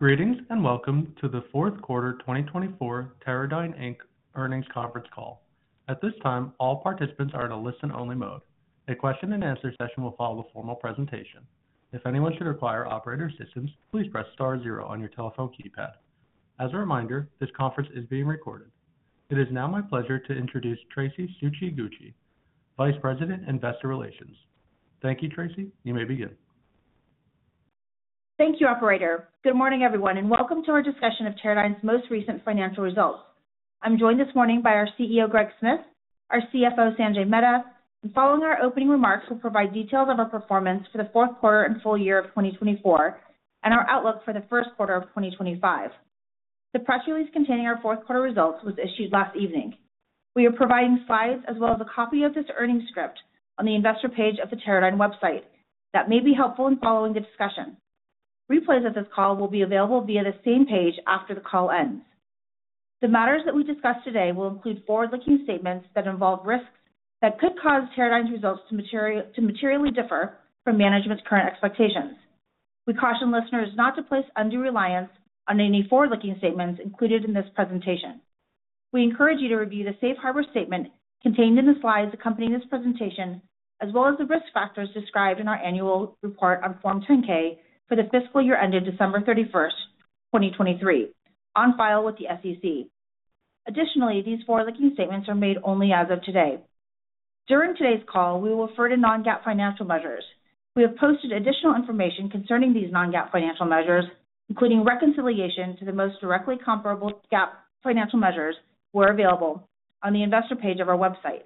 Greetings and welcome to the fourth quarter 2024 Teradyne Inc. earnings conference call. At this time, all participants are in a listen-only mode. A question-and-answer session will follow the formal presentation. If anyone should require operator assistance, please press star zero on your telephone keypad. As a reminder, this conference is being recorded. It is now my pleasure to introduce Traci Tsuchiguchi, Vice President, Investor Relations. Thank you, Traci. You may begin. Thank you, operator. Good morning, everyone, and welcome to our discussion of Teradyne's most recent financial results. I'm joined this morning by our CEO, Greg Smith, our CFO, Sanjay Mehta, and following our opening remarks, we'll provide details of our performance for the fourth quarter and full year of 2024, and our outlook for the first quarter of 2025. The press release containing our fourth quarter results was issued last evening. We are providing slides as well as a copy of this earnings script on the investor page of the Teradyne website that may be helpful in following the discussion. Replays of this call will be available via the same page after the call ends. The matters that we discuss today will include forward-looking statements that involve risks that could cause Teradyne's results to materially differ from management's current expectations. We caution listeners not to place undue reliance on any forward-looking statements included in this presentation. We encourage you to review the safe harbor statement contained in the slides accompanying this presentation, as well as the risk factors described in our annual report on Form 10-K for the fiscal year ended December 31st, 2023, on file with the SEC. Additionally, these forward-looking statements are made only as of today. During today's call, we will refer to non-GAAP financial measures. We have posted additional information concerning these non-GAAP financial measures, including reconciliation to the most directly comparable GAAP financial measures where available, on the Investor Page of our website.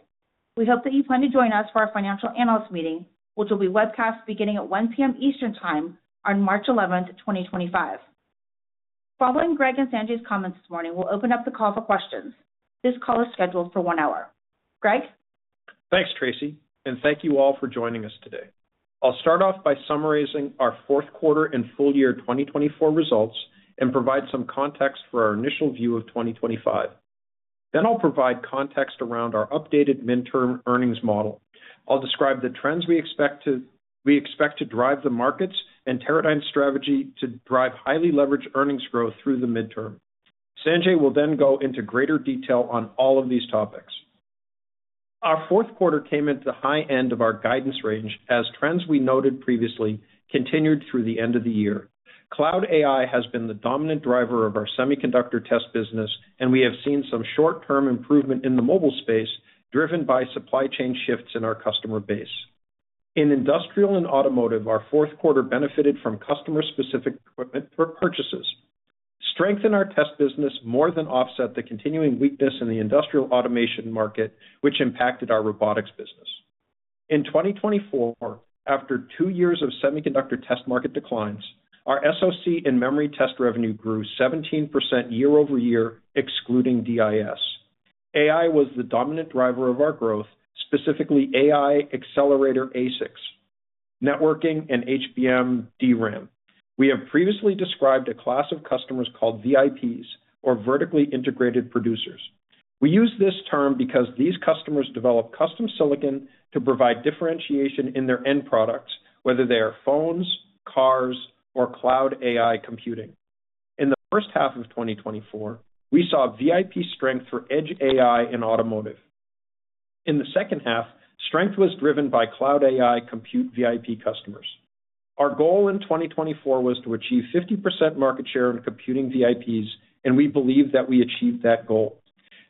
We hope that you plan to join us for our financial analyst meeting, which will be webcast beginning at 1:00 P.M. Eastern Time on March 11th, 2025. Following Greg and Sanjay's comments this morning, we'll open up the call for questions. This call is scheduled for one hour. Greg? Thanks, Traci, and thank you all for joining us today. I'll start off by summarizing our fourth quarter and full year 2024 results and provide some context for our initial view of 2025. Then I'll provide context around our updated midterm earnings model. I'll describe the trends we expect to drive the markets and Teradyne's strategy to drive highly leveraged earnings growth through the midterm. Sanjay will then go into greater detail on all of these topics. Our fourth quarter came into the high end of our guidance range as trends we noted previously continued through the end of the year. Cloud AI has been the dominant driver of our semiconductor test business, and we have seen some short-term improvement in the mobile space driven by supply chain shifts in our customer base. In industrial and automotive, our fourth quarter benefited from customer-specific equipment for purchases. Strengthen our test business more than offset the continuing weakness in the industrial automation market, which impacted our robotics business. In 2024, after two years of semiconductor test market declines, our SOC and memory test revenue grew 17% year-over-year, excluding DIS. AI was the dominant driver of our growth, specifically AI accelerator ASICs, networking, and HBM DRAM. We have previously described a class of customers called VIPs or vertically integrated producers. We use this term because these customers develop custom silicon to provide differentiation in their end products, whether they are phones, cars, or cloud AI computing. In the first half of 2024, we saw VIP strength for edge AI in automotive. In the second half, strength was driven by cloud AI compute VIP customers. Our goal in 2024 was to achieve 50% market share in computing VIPs, and we believe that we achieved that goal.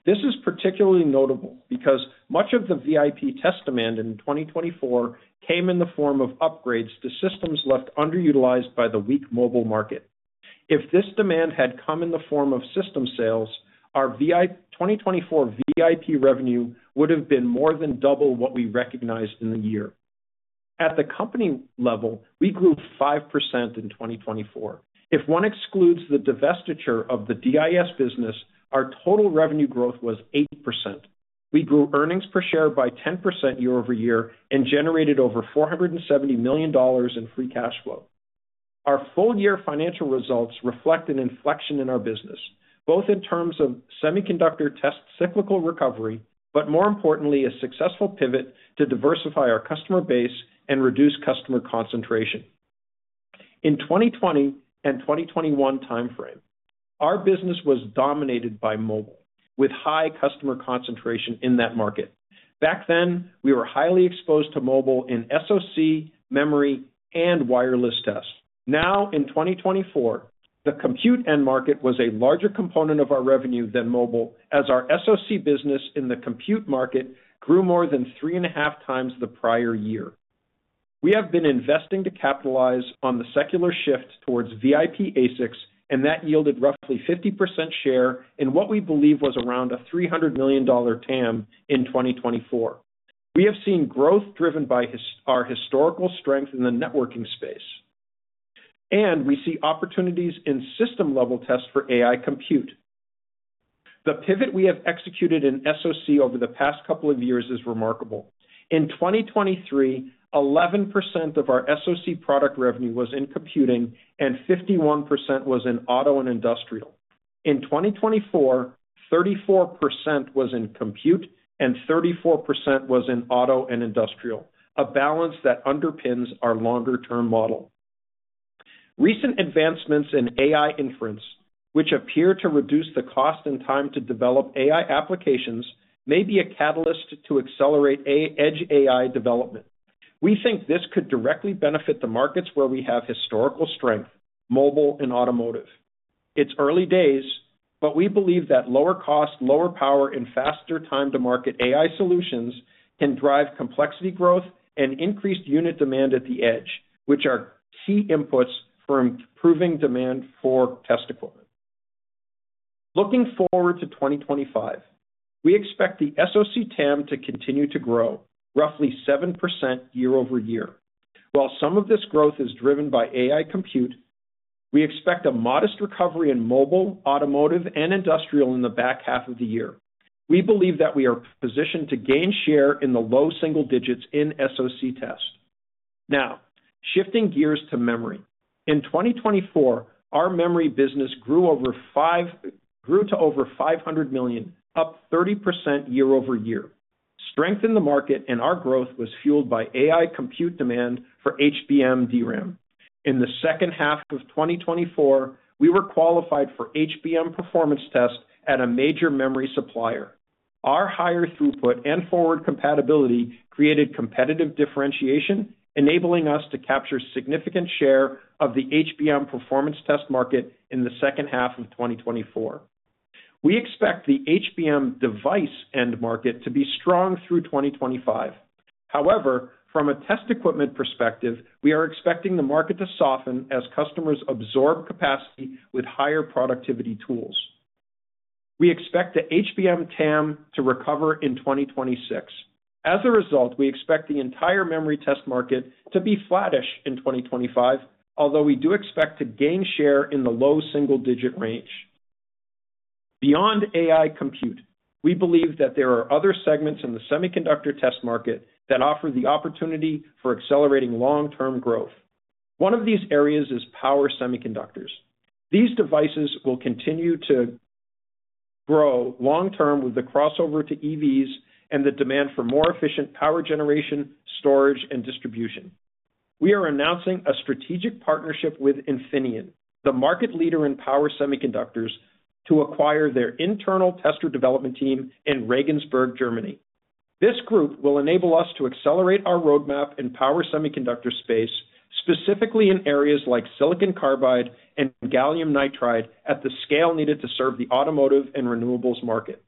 This is particularly notable because much of the VIP test demand in 2024 came in the form of upgrades to systems left underutilized by the weak mobile market. If this demand had come in the form of system sales, our 2024 VIP revenue would have been more than double what we recognized in the year. At the company level, we grew 5% in 2024. If one excludes the divestiture of the DIS business, our total revenue growth was 8%. We grew earnings per share by 10% year-over-year and generated over $470 million in free cash flow. Our full year financial results reflect an inflection in our business, both in terms of semiconductor test cyclical recovery, but more importantly, a successful pivot to diversify our customer base and reduce customer concentration. In 2020 and 2021 timeframe, our business was dominated by mobile with high customer concentration in that market. Back then, we were highly exposed to mobile in SOC, memory, and wireless tests. Now, in 2024, the compute end market was a larger component of our revenue than mobile as our SOC business in the compute market grew more than three and a half times the prior year. We have been investing to capitalize on the secular shift towards VIP ASICs, and that yielded roughly 50% share in what we believe was around a $300 million TAM in 2024. We have seen growth driven by our historical strength in the networking space, and we see opportunities in system-level tests for AI compute. The pivot we have executed in SOC over the past couple of years is remarkable. In 2023, 11% of our SOC product revenue was in computing and 51% was in auto and industrial. In 2024, 34% was in compute and 34% was in auto and industrial, a balance that underpins our longer-term model. Recent advancements in AI inference, which appear to reduce the cost and time to develop AI applications, may be a catalyst to accelerate edge AI development. We think this could directly benefit the markets where we have historical strength: mobile and automotive. It's early days, but we believe that lower cost, lower power, and faster time-to-market AI solutions can drive complexity growth and increased unit demand at the edge, which are key inputs for improving demand for test equipment. Looking forward to 2025, we expect the SOC TAM to continue to grow roughly 7% year-over-year. While some of this growth is driven by AI compute, we expect a modest recovery in mobile, automotive, and industrial in the back half of the year. We believe that we are positioned to gain share in the low single digits in SOC test. Now, shifting gears to memory. In 2024, our memory business grew to over $500 million, up 30% year-over-year. Strength in the market and our growth was fueled by AI compute demand for HBM DRAM. In the second half of 2024, we were qualified for HBM performance tests at a major memory supplier. Our higher throughput and forward compatibility created competitive differentiation, enabling us to capture significant share of the HBM performance test market in the second half of 2024. We expect the HBM device end market to be strong through 2025. However, from a test equipment perspective, we are expecting the market to soften as customers absorb capacity with higher productivity tools. We expect the HBM TAM to recover in 2026. As a result, we expect the entire memory test market to be flattish in 2025, although we do expect to gain share in the low single digit range. Beyond AI compute, we believe that there are other segments in the semiconductor test market that offer the opportunity for accelerating long-term growth. One of these areas is power semiconductors. These devices will continue to grow long-term with the crossover to EVs and the demand for more efficient power generation, storage, and distribution. We are announcing a strategic partnership with Infineon, the market leader in power semiconductors, to acquire their internal tester development team in Regensburg, Germany. This group will enable us to accelerate our roadmap in power semiconductor space, specifically in areas like silicon carbide and gallium nitride at the scale needed to serve the automotive and renewables market.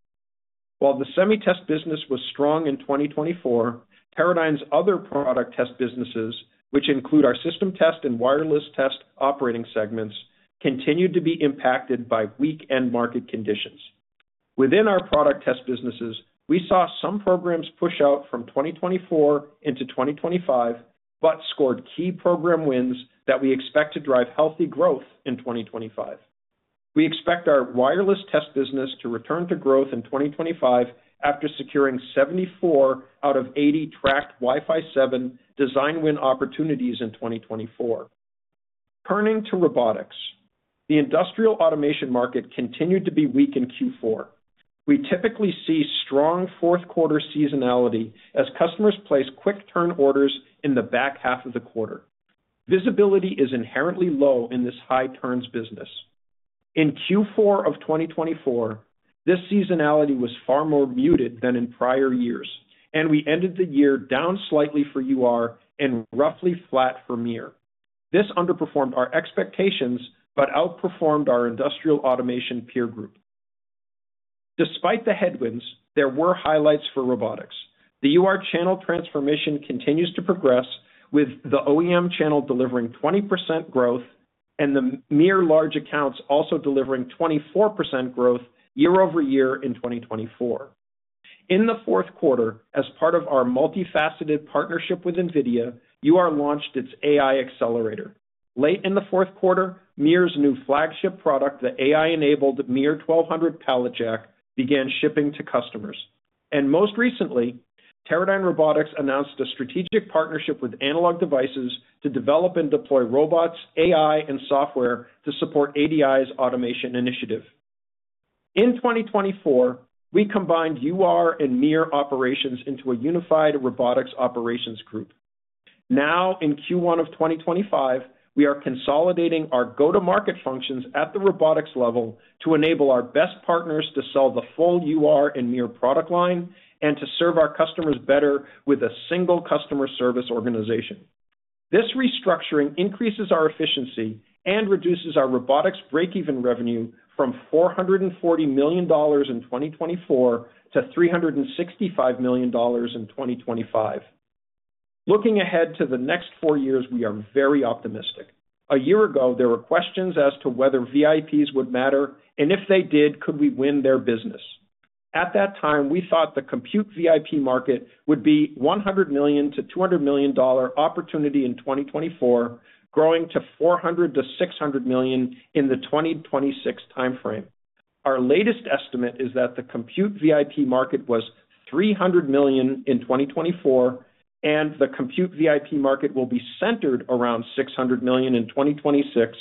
While the semi test business was strong in 2024, Teradyne's other product test businesses, which include our system test and wireless test operating segments, continued to be impacted by weak end market conditions. Within our product test businesses, we saw some programs push out from 2024 into 2025 but scored key program wins that we expect to drive healthy growth in 2025. We expect our wireless test business to return to growth in 2025 after securing 74 out of 80 tracked Wi-Fi 7 design win opportunities in 2024. Turning to robotics, the industrial automation market continued to be weak in Q4. We typically see strong fourth quarter seasonality as customers place quick turn orders in the back half of the quarter. Visibility is inherently low in this high turns business. In Q4 of 2024, this seasonality was far more muted than in prior years, and we ended the year down slightly for UR and roughly flat for MiR. This underperformed our expectations but outperformed our industrial automation peer group. Despite the headwinds, there were highlights for robotics. The UR channel transformation continues to progress, with the OEM channel delivering 20% growth and the MiR large accounts also delivering 24% growth year-over-year in 2024. In the fourth quarter, as part of our multifaceted partnership with NVIDIA, UR launched its AI accelerator. Late in the fourth quarter, MiR's new flagship product, the AI-enabled MiR1200 Pallet Jack, began shipping to customers. And most recently, Teradyne Robotics announced a strategic partnership with Analog Devices to develop and deploy robots, AI, and software to support ADI's automation initiative. In 2024, we combined UR and MiR operations into a unified robotics operations group. Now, in Q1 of 2025, we are consolidating our go-to-market functions at the robotics level to enable our best partners to sell the full UR and MiR product line and to serve our customers better with a single customer service organization. This restructuring increases our efficiency and reduces our robotics break-even revenue from $440 million in 2024 to $365 million in 2025. Looking ahead to the next four years, we are very optimistic. A year ago, there were questions as to whether VIPs would matter, and if they did, could we win their business? At that time, we thought the compute VIP market would be $100 million-$200 million opportunity in 2024, growing to $400 million-$600 million in the 2026 timeframe. Our latest estimate is that the compute VIP market was $300 million in 2024, and the compute VIP market will be centered around $600 million in 2026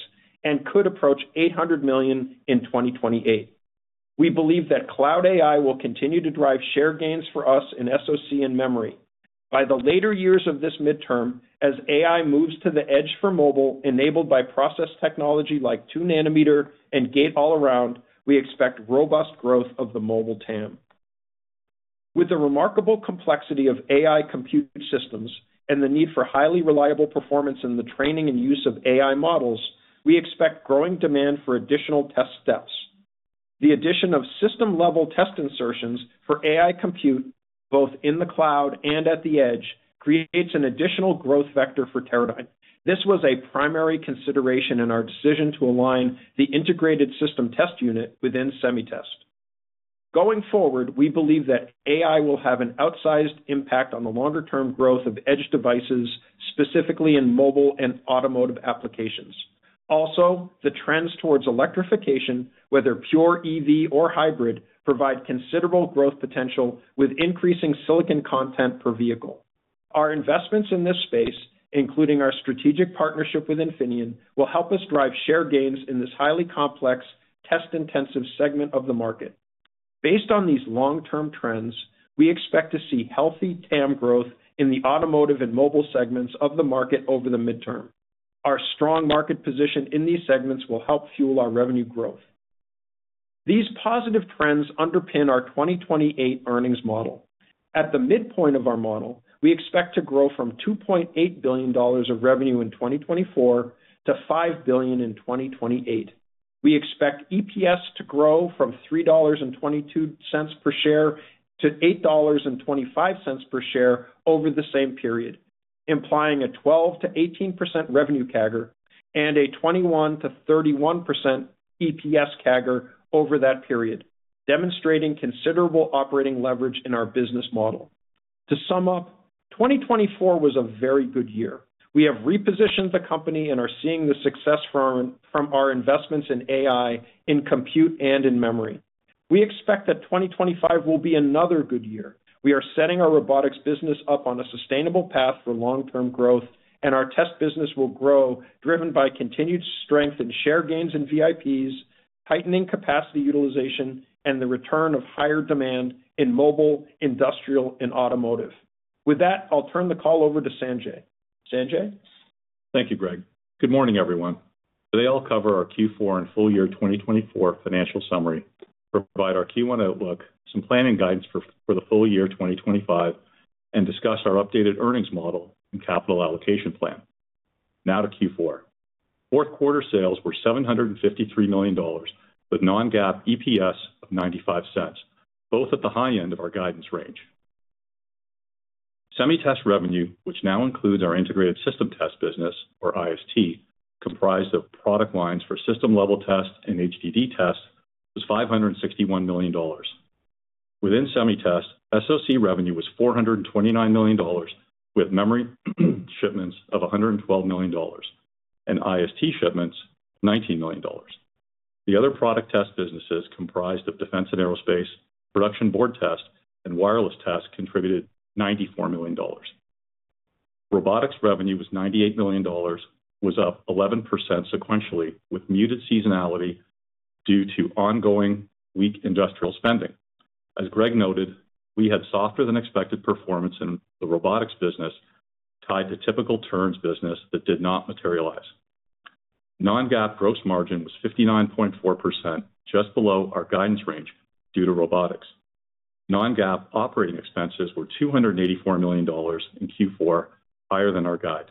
and could approach $800 million in 2028. We believe that cloud AI will continue to drive share gains for us in SOC and memory. By the later years of this midterm, as AI moves to the edge for mobile, enabled by process technology like 2 nm and Gate-All-Around, we expect robust growth of the mobile TAM. With the remarkable complexity of AI compute systems and the need for highly reliable performance in the training and use of AI models, we expect growing demand for additional test steps. The addition of system-level test insertions for AI compute, both in the cloud and at the edge, creates an additional growth vector for Teradyne. This was a primary consideration in our decision to align the integrated system test unit within semi test. Going forward, we believe that AI will have an outsized impact on the longer-term growth of edge devices, specifically in mobile and automotive applications. Also, the trends towards electrification, whether pure EV or hybrid, provide considerable growth potential with increasing silicon content per vehicle. Our investments in this space, including our strategic partnership with Infineon, will help us drive share gains in this highly complex, test-intensive segment of the market. Based on these long-term trends, we expect to see healthy TAM growth in the automotive and mobile segments of the market over the midterm. Our strong market position in these segments will help fuel our revenue growth. These positive trends underpin our 2028 earnings model. At the midpoint of our model, we expect to grow from $2.8 billion of revenue in 2024 to $5 billion in 2028. We expect EPS to grow from $3.22 per share to $8.25 per share over the same period, implying a 12%-18% revenue CAGR and a 21%-31% EPS CAGR over that period, demonstrating considerable operating leverage in our business model. To sum up, 2024 was a very good year. We have repositioned the company and are seeing the success from our investments in AI, in compute, and in memory. We expect that 2025 will be another good year. We are setting our robotics business up on a sustainable path for long-term growth, and our test business will grow, driven by continued strength in share gains in VIPs, tightening capacity utilization, and the return of higher demand in mobile, industrial, and automotive. With that, I'll turn the call over to Sanjay. Sanjay? Thank you, Greg. Good morning, everyone. Today, I'll cover our Q4 and full year 2024 financial summary, provide our Q1 outlook, some planning guidance for the full year 2025, and discuss our updated earnings model and capital allocation plan. Now to Q4. Fourth quarter sales were $753 million, with non-GAAP EPS of $0.95, both at the high end of our guidance range. Semi test revenue, which now includes our integrated system test business, or IST, comprised of product lines for system-level tests and HDD tests, was $561 million. Within semi test, SOC revenue was $429 million, with memory shipments of $112 million and IST shipments of $19 million. The other product test businesses, comprised of defense and aerospace, production board test, and wireless test, contributed $94 million. Robotics revenue was $98 million, was up 11% sequentially, with muted seasonality due to ongoing weak industrial spending. As Greg noted, we had softer-than-expected performance in the robotics business tied to typical turns business that did not materialize. Non-GAAP gross margin was 59.4%, just below our guidance range due to robotics. Non-GAAP operating expenses were $284 million in Q4, higher than our guide.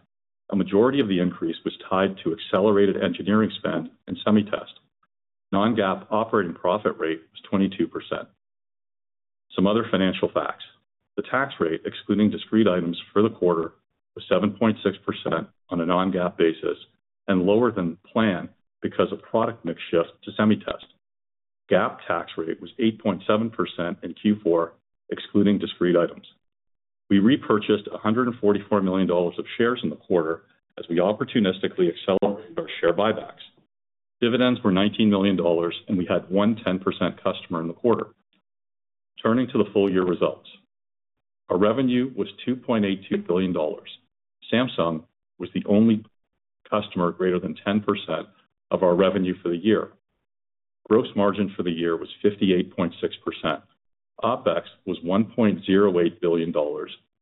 A majority of the increase was tied to accelerated engineering spend and semi test. Non-GAAP operating profit rate was 22%. Some other financial facts. The tax rate, excluding discrete items for the quarter, was 7.6% on a non-GAAP basis and lower than planned because of product mix shift to semi test. GAAP tax rate was 8.7% in Q4, excluding discrete items. We repurchased $144 million of shares in the quarter as we opportunistically accelerated our share buybacks. Dividends were $19 million, and we had one 10% customer in the quarter. Turning to the full year results, our revenue was $2.82 billion. Samsung was the only customer greater than 10% of our revenue for the year. Gross margin for the year was 58.6%. OpEx was $1.08 billion,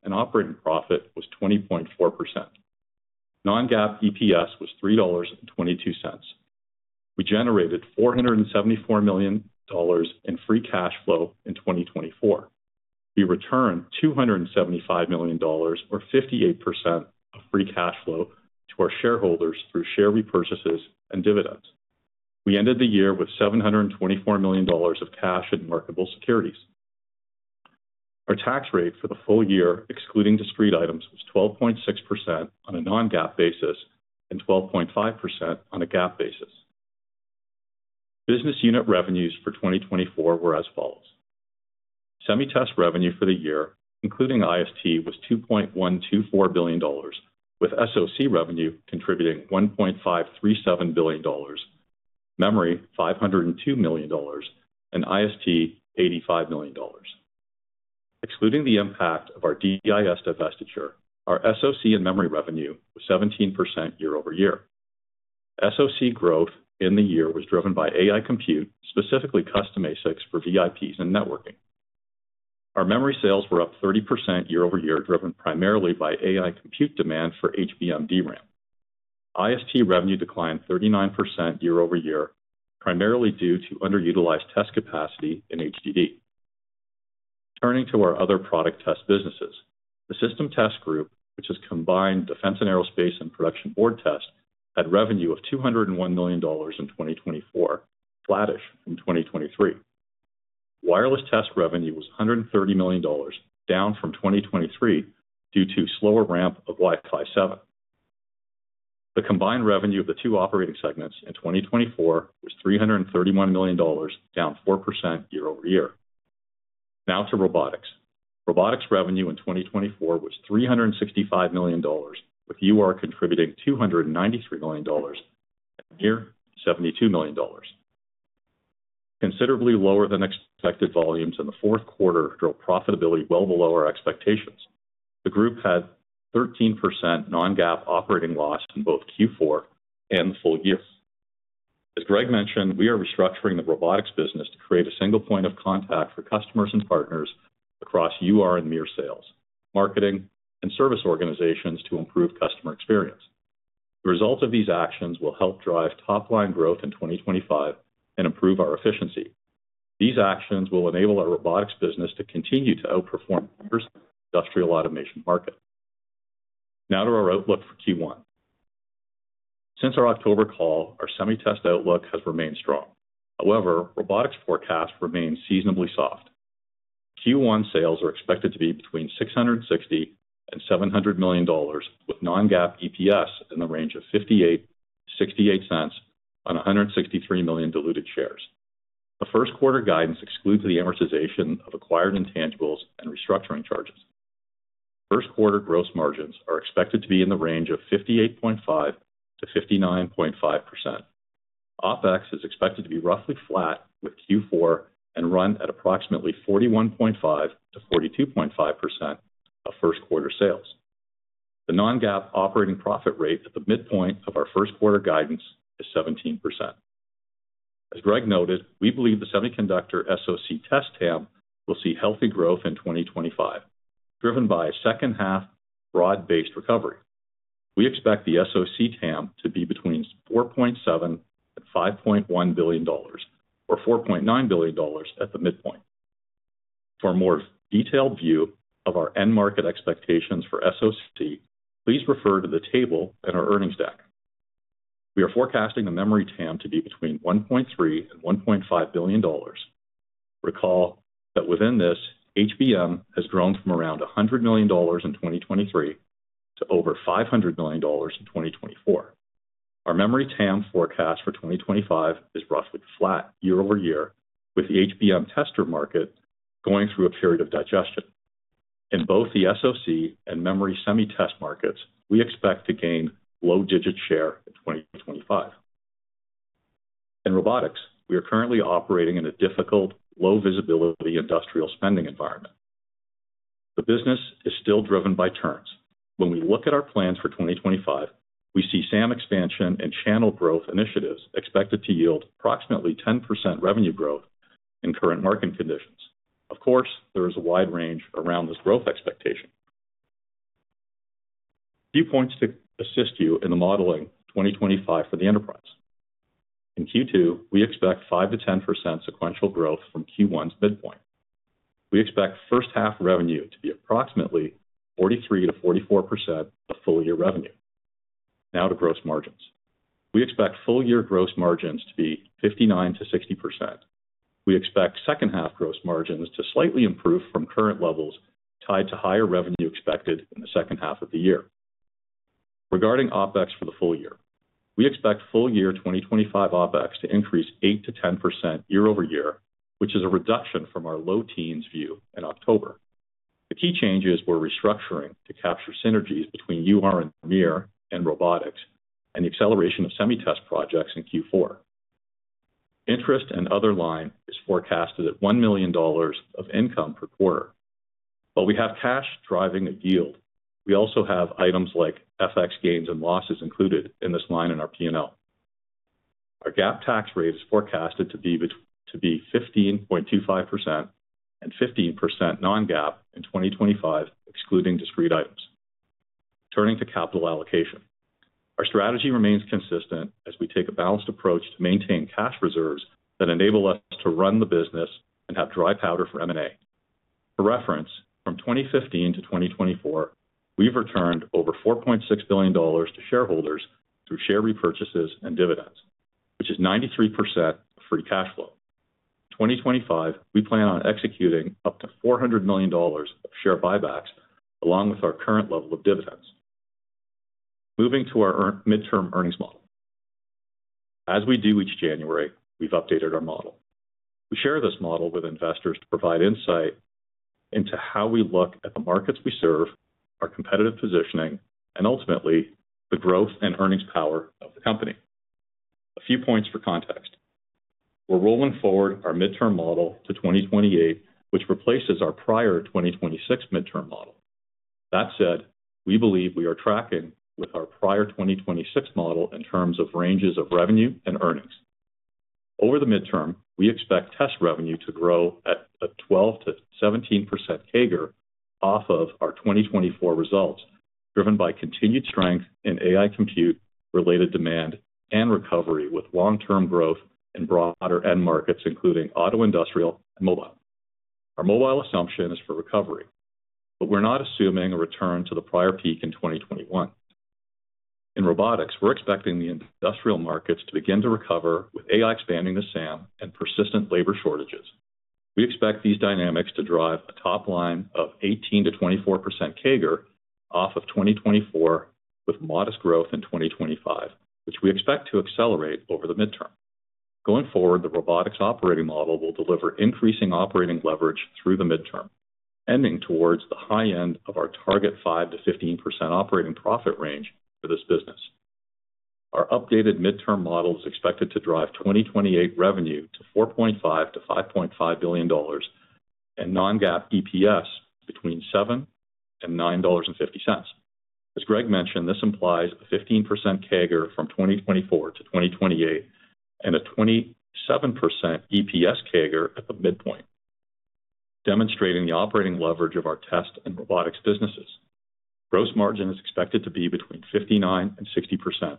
and operating profit was 20.4%. Non-GAAP EPS was $3.22. We generated $474 million in free cash flow in 2024. We returned $275 million, or 58% of free cash flow, to our shareholders through share repurchases and dividends. We ended the year with $724 million of cash and marketable securities. Our tax rate for the full year, excluding discrete items, was 12.6% on a non-GAAP basis and 12.5% on a GAAP basis. Business unit revenues for 2024 were as follows. Semi test revenue for the year, including IST, was $2.124 billion, with SOC revenue contributing $1.537 billion, memory $502 million, and IST $85 million. Excluding the impact of our DIS divestiture, our SOC and memory revenue was 17% year-over-year. SOC growth in the year was driven by AI compute, specifically custom ASICs for VIPs and networking. Our memory sales were up 30% year-over-year, driven primarily by AI compute demand for HBM DRAM. IST revenue declined 39% year-over-year, primarily due to underutilized test capacity in HDD. Turning to our other product test businesses, the system test group, which has combined defense and aerospace and production board test, had revenue of $201 million in 2024, flattish from 2023. Wireless test revenue was $130 million, down from 2023 due to slower ramp of Wi-Fi 7. The combined revenue of the two operating segments in 2024 was $331 million, down 4% year-over-year. Now to robotics. Robotics revenue in 2024 was $365 million, with UR contributing $293 million and MiR $72 million. Considerably lower than expected volumes in the fourth quarter drove profitability well below our expectations. The group had 13% non-GAAP operating loss in both Q4 and the full year. As Greg mentioned, we are restructuring the robotics business to create a single point of contact for customers and partners across UR and MiR sales, marketing, and service organizations to improve customer experience. The result of these actions will help drive top-line growth in 2025 and improve our efficiency. These actions will enable our robotics business to continue to outperform the industrial automation market. Now to our outlook for Q1. Since our October call, our semi test outlook has remained strong. However, robotics forecast remains seasonably soft. Q1 sales are expected to be between $660 million-$700 million, with non-GAAP EPS in the range of $0.58-$0.68 on 163 million diluted shares. The first quarter guidance excludes the amortization of acquired intangibles and restructuring charges. First quarter gross margins are expected to be in the range of 58.5%-59.5%. OpEx is expected to be roughly flat with Q4 and run at approximately 41.5%-42.5% of first quarter sales. The non-GAAP operating profit rate at the midpoint of our first quarter guidance is 17%. As Greg noted, we believe the semiconductor SOC test TAM will see healthy growth in 2025, driven by a second-half broad-based recovery. We expect the SOC TAM to be between $4.7 billion-$5.1 billion, or $4.9 billion at the midpoint. For a more detailed view of our end market expectations for SOC, please refer to the table in our earnings deck. We are forecasting the memory TAM to be between $1.3 billion-$1.5 billion. Recall that within this, HBM has grown from around $100 million in 2023 to over $500 million in 2024. Our memory TAM forecast for 2025 is roughly flat year-over-year, with the HBM tester market going through a period of digestion. In both the SOC and memory semi test markets, we expect to gain low-digit share in 2025. In robotics, we are currently operating in a difficult, low-visibility industrial spending environment. The business is still driven by turns. When we look at our plans for 2025, we see SAM expansion and channel growth initiatives expected to yield approximately 10% revenue growth in current market conditions. Of course, there is a wide range around this growth expectation. Few points to assist you in the modeling 2025 for the enterprise. In Q2, we expect 5%-10% sequential growth from Q1's midpoint. We expect first-half revenue to be approximately 43%-44% of full year revenue. Now to gross margins. We expect full year gross margins to be 59%-60%. We expect second-half gross margins to slightly improve from current levels tied to higher revenue expected in the second half of the year. Regarding OpEx for the full year, we expect full year 2025 OpEx to increase 8%-10% year-over-year, which is a reduction from our low teens view in October. The key changes were restructuring to capture synergies between UR and MiR and robotics and the acceleration of semi test projects in Q4. Interest and other line is forecasted at $1 million of income per quarter. While we have cash driving a yield, we also have items like FX gains and losses included in this line in our P&L. Our GAAP tax rate is forecasted to be 15.25% and 15% non-GAAP in 2025, excluding discrete items. Turning to capital allocation. Our strategy remains consistent as we take a balanced approach to maintain cash reserves that enable us to run the business and have dry powder for M&A. For reference, from 2015 to 2024, we've returned over $4.6 billion to shareholders through share repurchases and dividends, which is 93% of free cash flow. In 2025, we plan on executing up to $400 million of share buybacks along with our current level of dividends. Moving to our midterm earnings model. As we do each January, we've updated our model. We share this model with investors to provide insight into how we look at the markets we serve, our competitive positioning, and ultimately the growth and earnings power of the company. A few points for context. We're rolling forward our midterm model to 2028, which replaces our prior 2026 midterm model. That said, we believe we are tracking with our prior 2026 model in terms of ranges of revenue and earnings. Over the midterm, we expect test revenue to grow at a 12%-17% CAGR off of our 2024 results, driven by continued strength in AI compute-related demand and recovery with long-term growth in broader end markets, including auto, industrial, and mobile. Our mobile assumption is for recovery, but we're not assuming a return to the prior peak in 2021. In robotics, we're expecting the industrial markets to begin to recover with AI expanding to SAM and persistent labor shortages. We expect these dynamics to drive a top line of 18%-24% CAGR off of 2024, with modest growth in 2025, which we expect to accelerate over the midterm. Going forward, the robotics operating model will deliver increasing operating leverage through the midterm, ending towards the high end of our target 5%-15% operating profit range for this business. Our updated midterm model is expected to drive 2028 revenue to $4.5 billion-$5.5 billion and non-GAAP EPS between $7 and $9.50. As Greg mentioned, this implies a 15% CAGR from 2024 to 2028 and a 27% EPS CAGR at the midpoint, demonstrating the operating leverage of our test and robotics businesses. Gross margin is expected to be between 59% and 60%.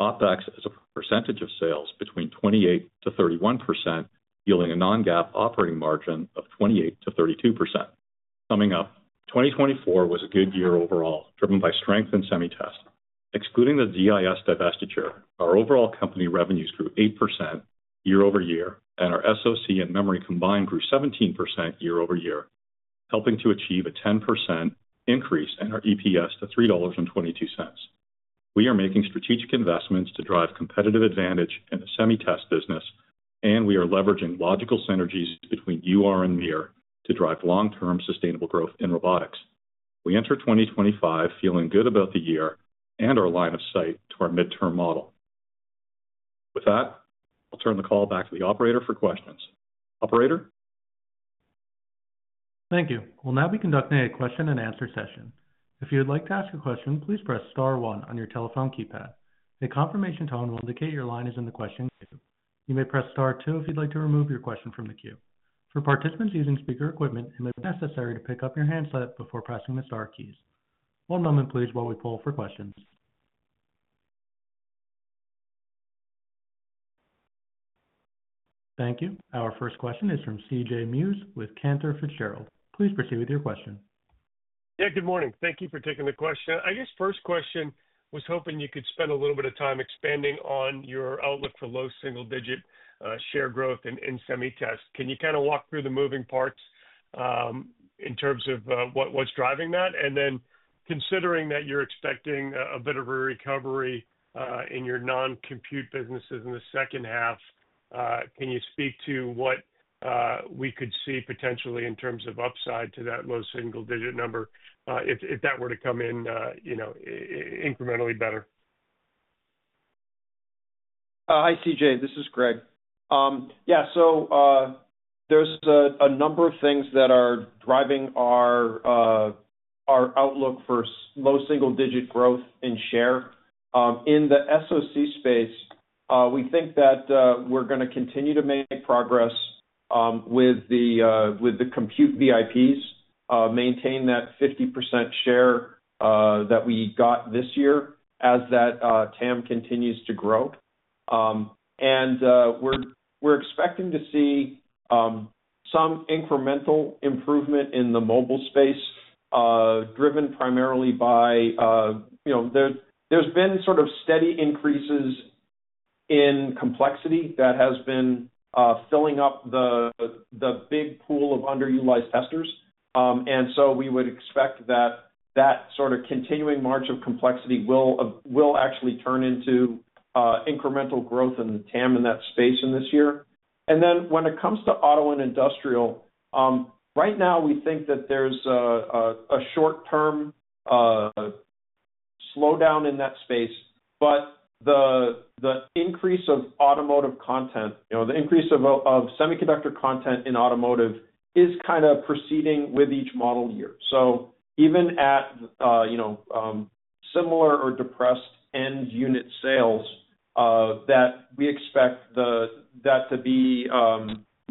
OpEx is a percentage of sales between 28%-31%, yielding a non-GAAP operating margin of 28%-32%. Summing up, 2024 was a good year overall, driven by strength in semi test. Excluding the DIS divestiture, our overall company revenues grew 8% year-over-year, and our SOC and memory combined grew 17% year-over-year, helping to achieve a 10% increase in our EPS to $3.22. We are making strategic investments to drive competitive advantage in the semi test business, and we are leveraging logical synergies between UR and MiR to drive long-term sustainable growth in robotics. We enter 2025 feeling good about the year and our line of sight to our midterm model. With that, I'll turn the call back to the operator for questions. operator. Thank you. We'll now be conducting a question-and-answer session. If you would like to ask a question, please press star one on your telephone keypad. A confirmation tone will indicate your line is in the question queue. You may press star two if you'd like to remove your question from the queue. For participants using speaker equipment, it may be necessary to pick up your handset before pressing the star keys. One moment, please, while we pull for questions. Thank you. Our first question is from CJ Muse with Cantor Fitzgerald. Please proceed with your question. Yeah, good morning. Thank you for taking the question. I guess first question was hoping you could spend a little bit of time expanding on your outlook for low single-digit share growth in semi test. Can you kind of walk through the moving parts in terms of what's driving that? And then, considering that you're expecting a bit of a recovery in your non-compute businesses in the second half, can you speak to what we could see potentially in terms of upside to that low single-digit number if that were to come in incrementally better? Hi, CJ. This is Greg. Yeah, so there's a number of things that are driving our outlook for low single-digit growth in share. In the SOC space, we think that we're going to continue to make progress with the compute VIPs, maintain that 50% share that we got this year as that TAM continues to grow. And we're expecting to see some incremental improvement in the mobile space, driven primarily by there's been sort of steady increases in complexity that has been filling up the big pool of underutilized testers. And so we would expect that that sort of continuing march of complexity will actually turn into incremental growth in TAM in that space in this year. And then when it comes to auto and industrial, right now we think that there's a short-term slowdown in that space, but the increase of automotive content, the increase of semiconductor content in automotive is kind of proceeding with each model year. So even at similar or depressed end unit sales, we expect that to be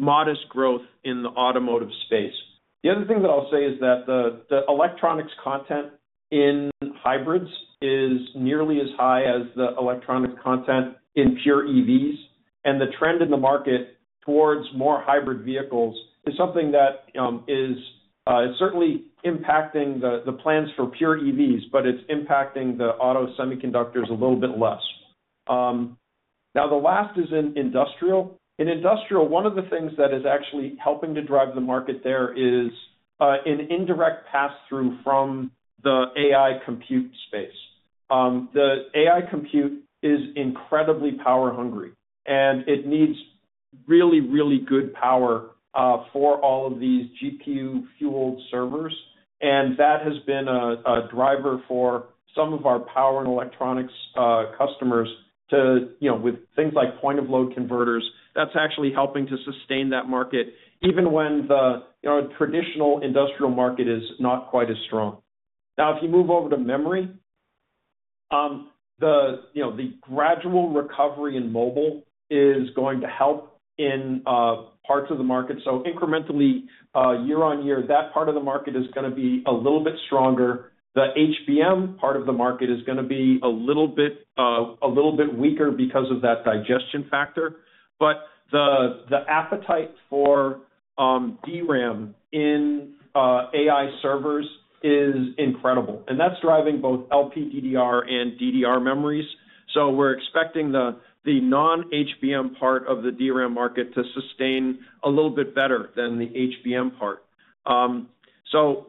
modest growth in the automotive space. The other thing that I'll say is that the electronics content in hybrids is nearly as high as the electronics content in pure EVs. And the trend in the market towards more hybrid vehicles is something that is certainly impacting the plans for pure EVs, but it's impacting the auto semiconductors a little bit less. Now, the last is in industrial. In industrial, one of the things that is actually helping to drive the market there is an indirect pass-through from the AI compute space. The AI compute is incredibly power-hungry, and it needs really, really good power for all of these GPU-fueled servers, and that has been a driver for some of our power and electronics customers with things like point-of-load converters. That's actually helping to sustain that market even when the traditional industrial market is not quite as strong. Now, if you move over to memory, the gradual recovery in mobile is going to help in parts of the market, so incrementally, year on year, that part of the market is going to be a little bit stronger. The HBM part of the market is going to be a little bit weaker because of that digestion factor, but the appetite for DRAM in AI servers is incredible. And that's driving both LPDDR and DDR memories. So we're expecting the non-HBM part of the DRAM market to sustain a little bit better than the HBM part. So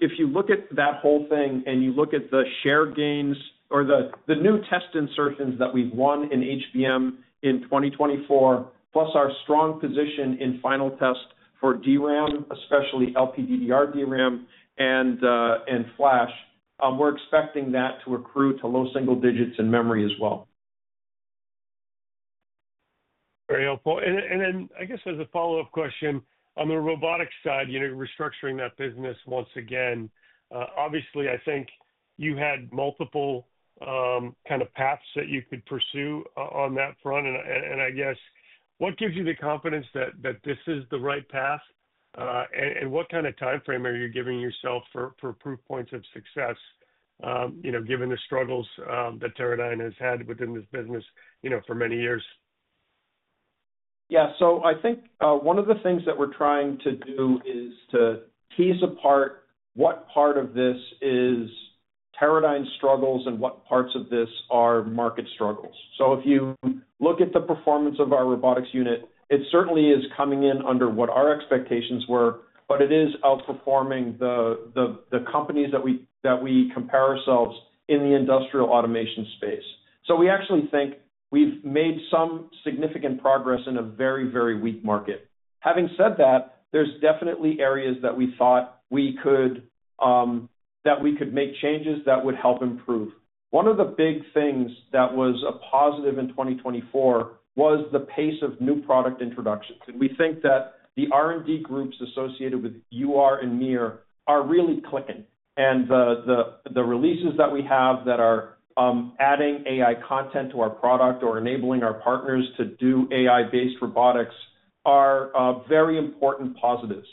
if you look at that whole thing and you look at the share gains or the new test insertions that we've won in HBM in 2024 plus our strong position in final test for DRAM, especially LPDDR DRAM and Flash, we're expecting that to accrue to low single digits in memory as well. Very helpful. And then I guess as a follow-up question, on the robotics side, restructuring that business once again, obviously, I think you had multiple kind of paths that you could pursue on that front. And I guess what gives you the confidence that this is the right path? What kind of timeframe are you giving yourself for proof points of success, given the struggles that Teradyne has had within this business for many years? Yeah. So I think one of the things that we're trying to do is to tease apart what part of this is Teradyne's struggles and what parts of this are market struggles. So if you look at the performance of our robotics unit, it certainly is coming in under what our expectations were, but it is outperforming the companies that we compare ourselves in the industrial automation space. So we actually think we've made some significant progress in a very, very weak market. Having said that, there's definitely areas that we thought we could make changes that would help improve. One of the big things that was a positive in 2024 was the pace of new product introductions. We think that the R&D groups associated with UR and MiR are really clicking. The releases that we have that are adding AI content to our product or enabling our partners to do AI-based robotics are very important positives.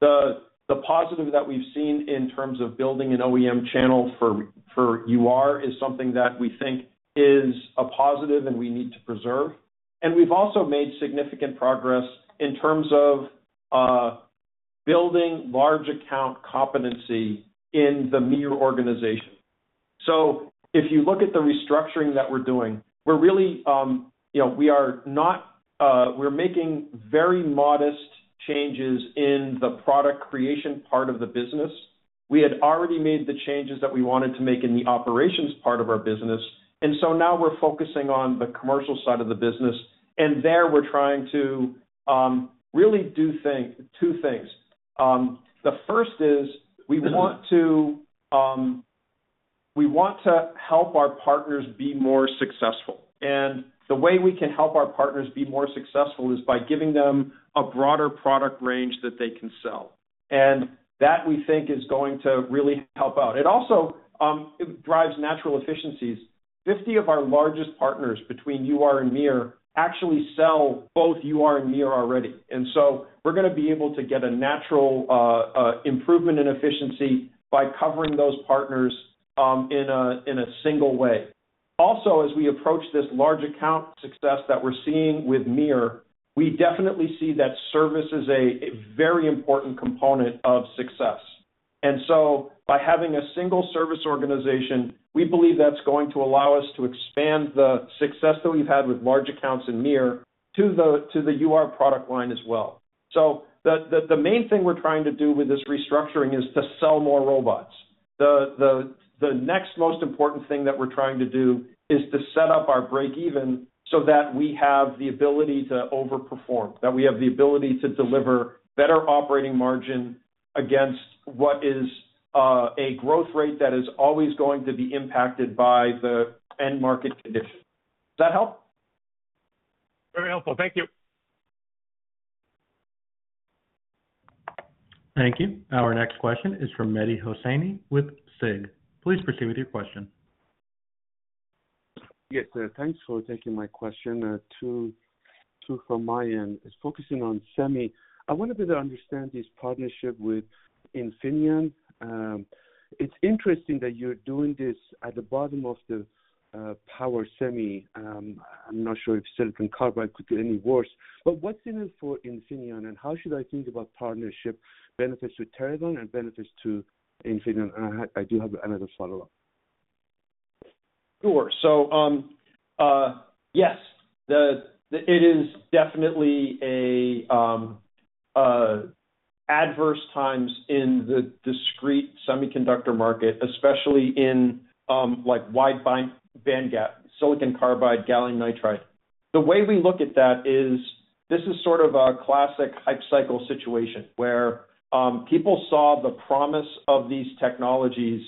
The positive that we've seen in terms of building an OEM channel for UR is something that we think is a positive and we need to preserve. We've also made significant progress in terms of building large account competency in the MiR organization. If you look at the restructuring that we're doing, we're really not making very modest changes in the product creation part of the business. We had already made the changes that we wanted to make in the operations part of our business. Now we're focusing on the commercial side of the business. And there we're trying to really do two things. The first is we want to help our partners be more successful. And the way we can help our partners be more successful is by giving them a broader product range that they can sell. And that we think is going to really help out. It also drives natural efficiencies. 50 of our largest partners between UR and MiR actually sell both UR and MiR already. And so we're going to be able to get a natural improvement in efficiency by covering those partners in a single way. Also, as we approach this large account success that we're seeing with MiR, we definitely see that service is a very important component of success. And so by having a single service organization, we believe that's going to allow us to expand the success that we've had with large accounts in MiR to the UR product line as well. So the main thing we're trying to do with this restructuring is to sell more robots. The next most important thing that we're trying to do is to set up our break-even so that we have the ability to overperform, that we have the ability to deliver better operating margin against what is a growth rate that is always going to be impacted by the end market condition. Does that help? Very helpful. Thank you. Thank you. Our next question is from Mehdi Hosseini with SIG. Please proceed with your question. Yes, thanks for taking my question. Two from my end. It's focusing on semi. I want a bit to understand this partnership with Infineon. It's interesting that you're doing this at the bottom of the power semi. I'm not sure if silicon carbide could get any worse, but what's in it for Infineon, and how should I think about partnership benefits to Teradyne and benefits to Infineon? I do have another follow-up. Sure, so yes, it is definitely adverse times in the discrete semiconductor market, especially in wide-bandgap, silicon carbide, gallium nitride. The way we look at that is this is sort of a classic hype cycle situation where people saw the promise of these technologies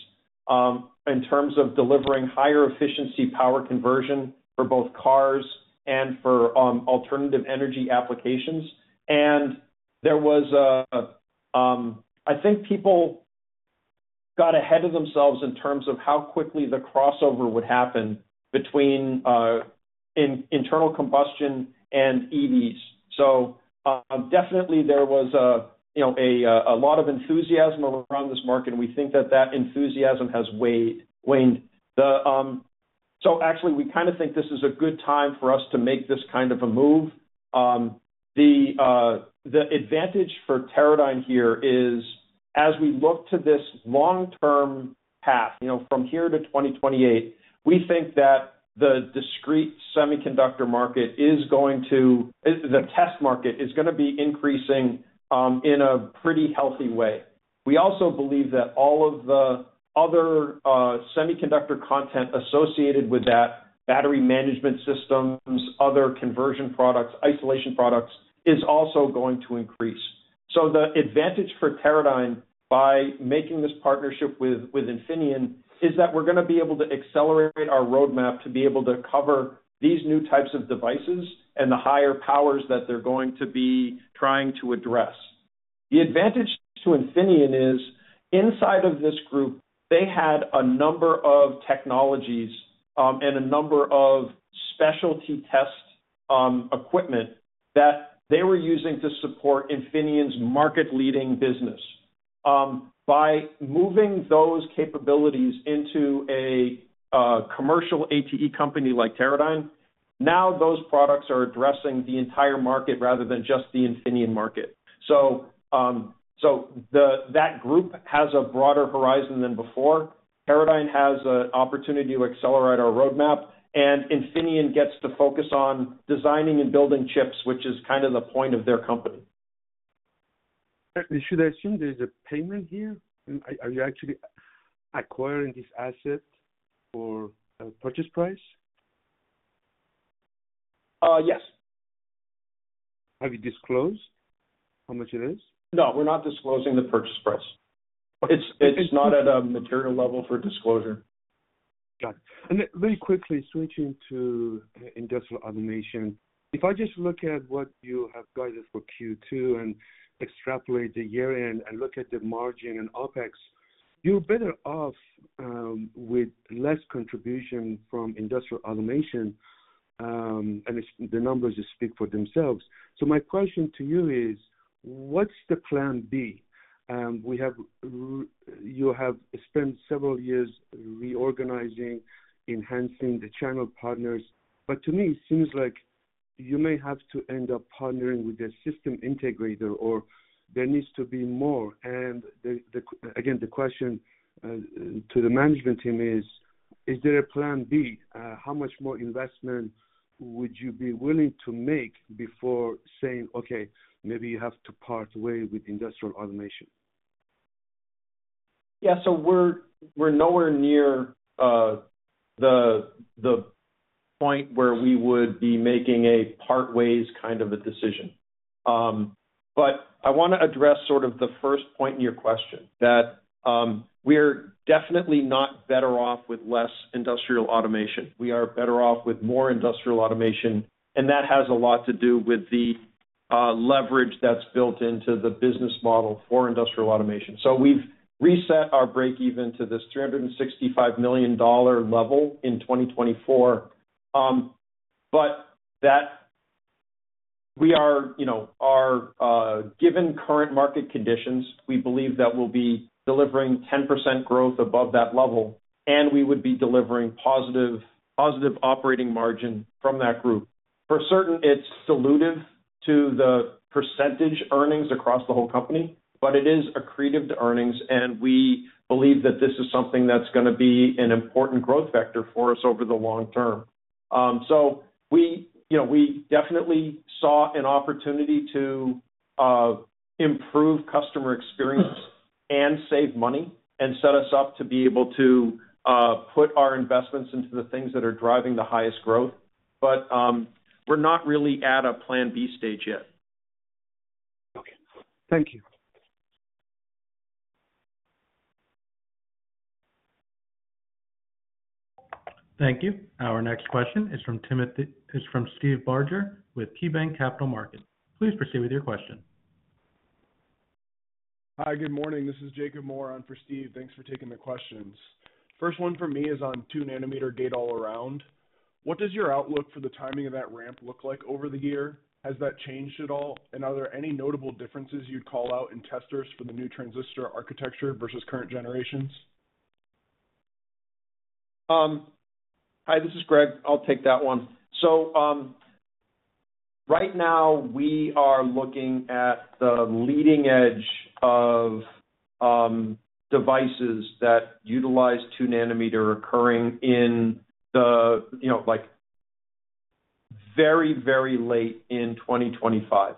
in terms of delivering higher efficiency power conversion for both cars and for alternative energy applications, and there was, I think, people got ahead of themselves in terms of how quickly the crossover would happen between internal combustion and EVs, so definitely, there was a lot of enthusiasm around this market. We think that that enthusiasm has waned. Actually, we kind of think this is a good time for us to make this kind of a move. The advantage for Teradyne here is as we look to this long-term path from here to 2028, we think that the discrete semiconductor test market is going to be increasing in a pretty healthy way. We also believe that all of the other semiconductor content associated with that, battery management systems, other conversion products, isolation products, is also going to increase. The advantage for Teradyne by making this partnership with Infineon is that we're going to be able to accelerate our roadmap to be able to cover these new types of devices and the higher powers that they're going to be trying to address. The advantage to Infineon is inside of this group. They had a number of technologies and a number of specialty test equipment that they were using to support Infineon's market-leading business. By moving those capabilities into a commercial ATE company like Teradyne, now those products are addressing the entire market rather than just the Infineon market. So that group has a broader horizon than before. Teradyne has an opportunity to accelerate our roadmap. And Infineon gets to focus on designing and building chips, which is kind of the point of their company. Should I assume there is a payment here? Are you actually acquiring this asset for a purchase price? Yes. Have you disclosed how much it is? No, we're not disclosing the purchase price. It's not at a material level for disclosure. Got it. And very quickly, switching to industrial automation. If I just look at what you have guided for Q2 and extrapolate the year-end and look at the margin and OpEx, you're better off with less contribution from industrial automation. And the numbers speak for themselves. So my question to you is, what's the plan B? You have spent several years reorganizing, enhancing the channel partners. But to me, it seems like you may have to end up partnering with a system integrator or there needs to be more. And again, the question to the management team is, is there a plan B? How much more investment would you be willing to make before saying, "Okay, maybe you have to part ways with industrial automation"? Yeah. So we're nowhere near the point where we would be making a parting ways kind of a decision. I want to address sort of the first point in your question that we're definitely not better off with less industrial automation. We are better off with more industrial automation. That has a lot to do with the leverage that's built into the business model for industrial automation. We've reset our break-even to this $365 million level in 2024. We are, given current market conditions, we believe that we'll be delivering 10% growth above that level. We would be delivering positive operating margin from that group. For certain, it's dilutive to the percentage earnings across the whole company. It is accretive to earnings. We believe that this is something that's going to be an important growth factor for us over the long term. So we definitely saw an opportunity to improve customer experience and save money and set us up to be able to put our investments into the things that are driving the highest growth. But we're not really at a plan B stage yet. Okay. Thank you. Thank you. Our next question is from Steve Barger with KeyBanc Capital Markets. Please proceed with your question. Hi, good morning. This is Jacob Moore for Steve. Thanks for taking the questions. First one for me is on 2 nm Gate-All-Around. What does your outlook for the timing of that ramp look like over the year? Has that changed at all? And are there any notable differences you'd call out in testers for the new transistor architecture versus current generations? Hi, this is Greg. I'll take that one. Right now, we are looking at the leading edge of devices that utilize two-nanometer occurring in the very, very late in 2025,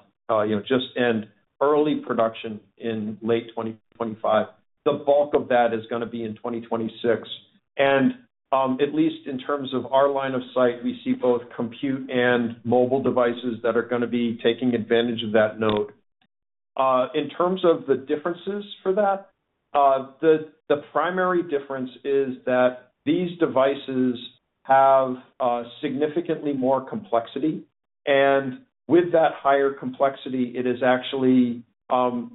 just the end of early production in late 2025. The bulk of that is going to be in 2026. And at least in terms of our line of sight, we see both compute and mobile devices that are going to be taking advantage of that node. In terms of the differences for that, the primary difference is that these devices have significantly more complexity. And with that higher complexity, it is actually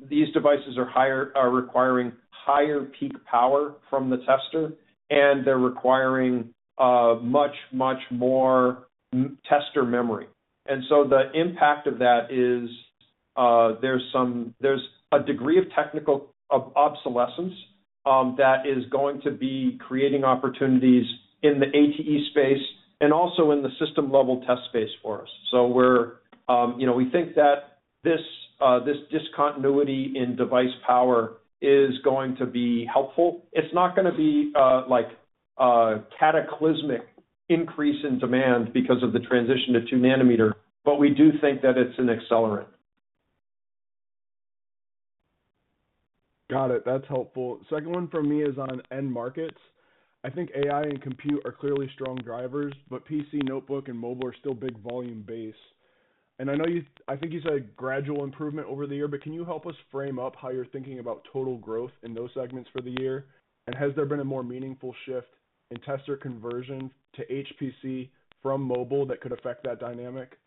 these devices are requiring higher peak power from the tester. And they're requiring much, much more tester memory. And so the impact of that is there's a degree of technical obsolescence that is going to be creating opportunities in the ATE space and also in the system-level test space for us. So we think that this discontinuity in device power is going to be helpful. It's not going to be a cataclysmic increase in demand because of the transition to two-nanometer, but we do think that it's an accelerant. Got it. That's helpful. Second one for me is on end markets. I think AI and compute are clearly strong drivers, but PC, notebook, and mobile are still big volume base. And I think you said gradual improvement over the year, but can you help us frame up how you're thinking about total growth in those segments for the year? And has there been a more meaningful shift in tester conversion to HPC from mobile that could affect that dynamic?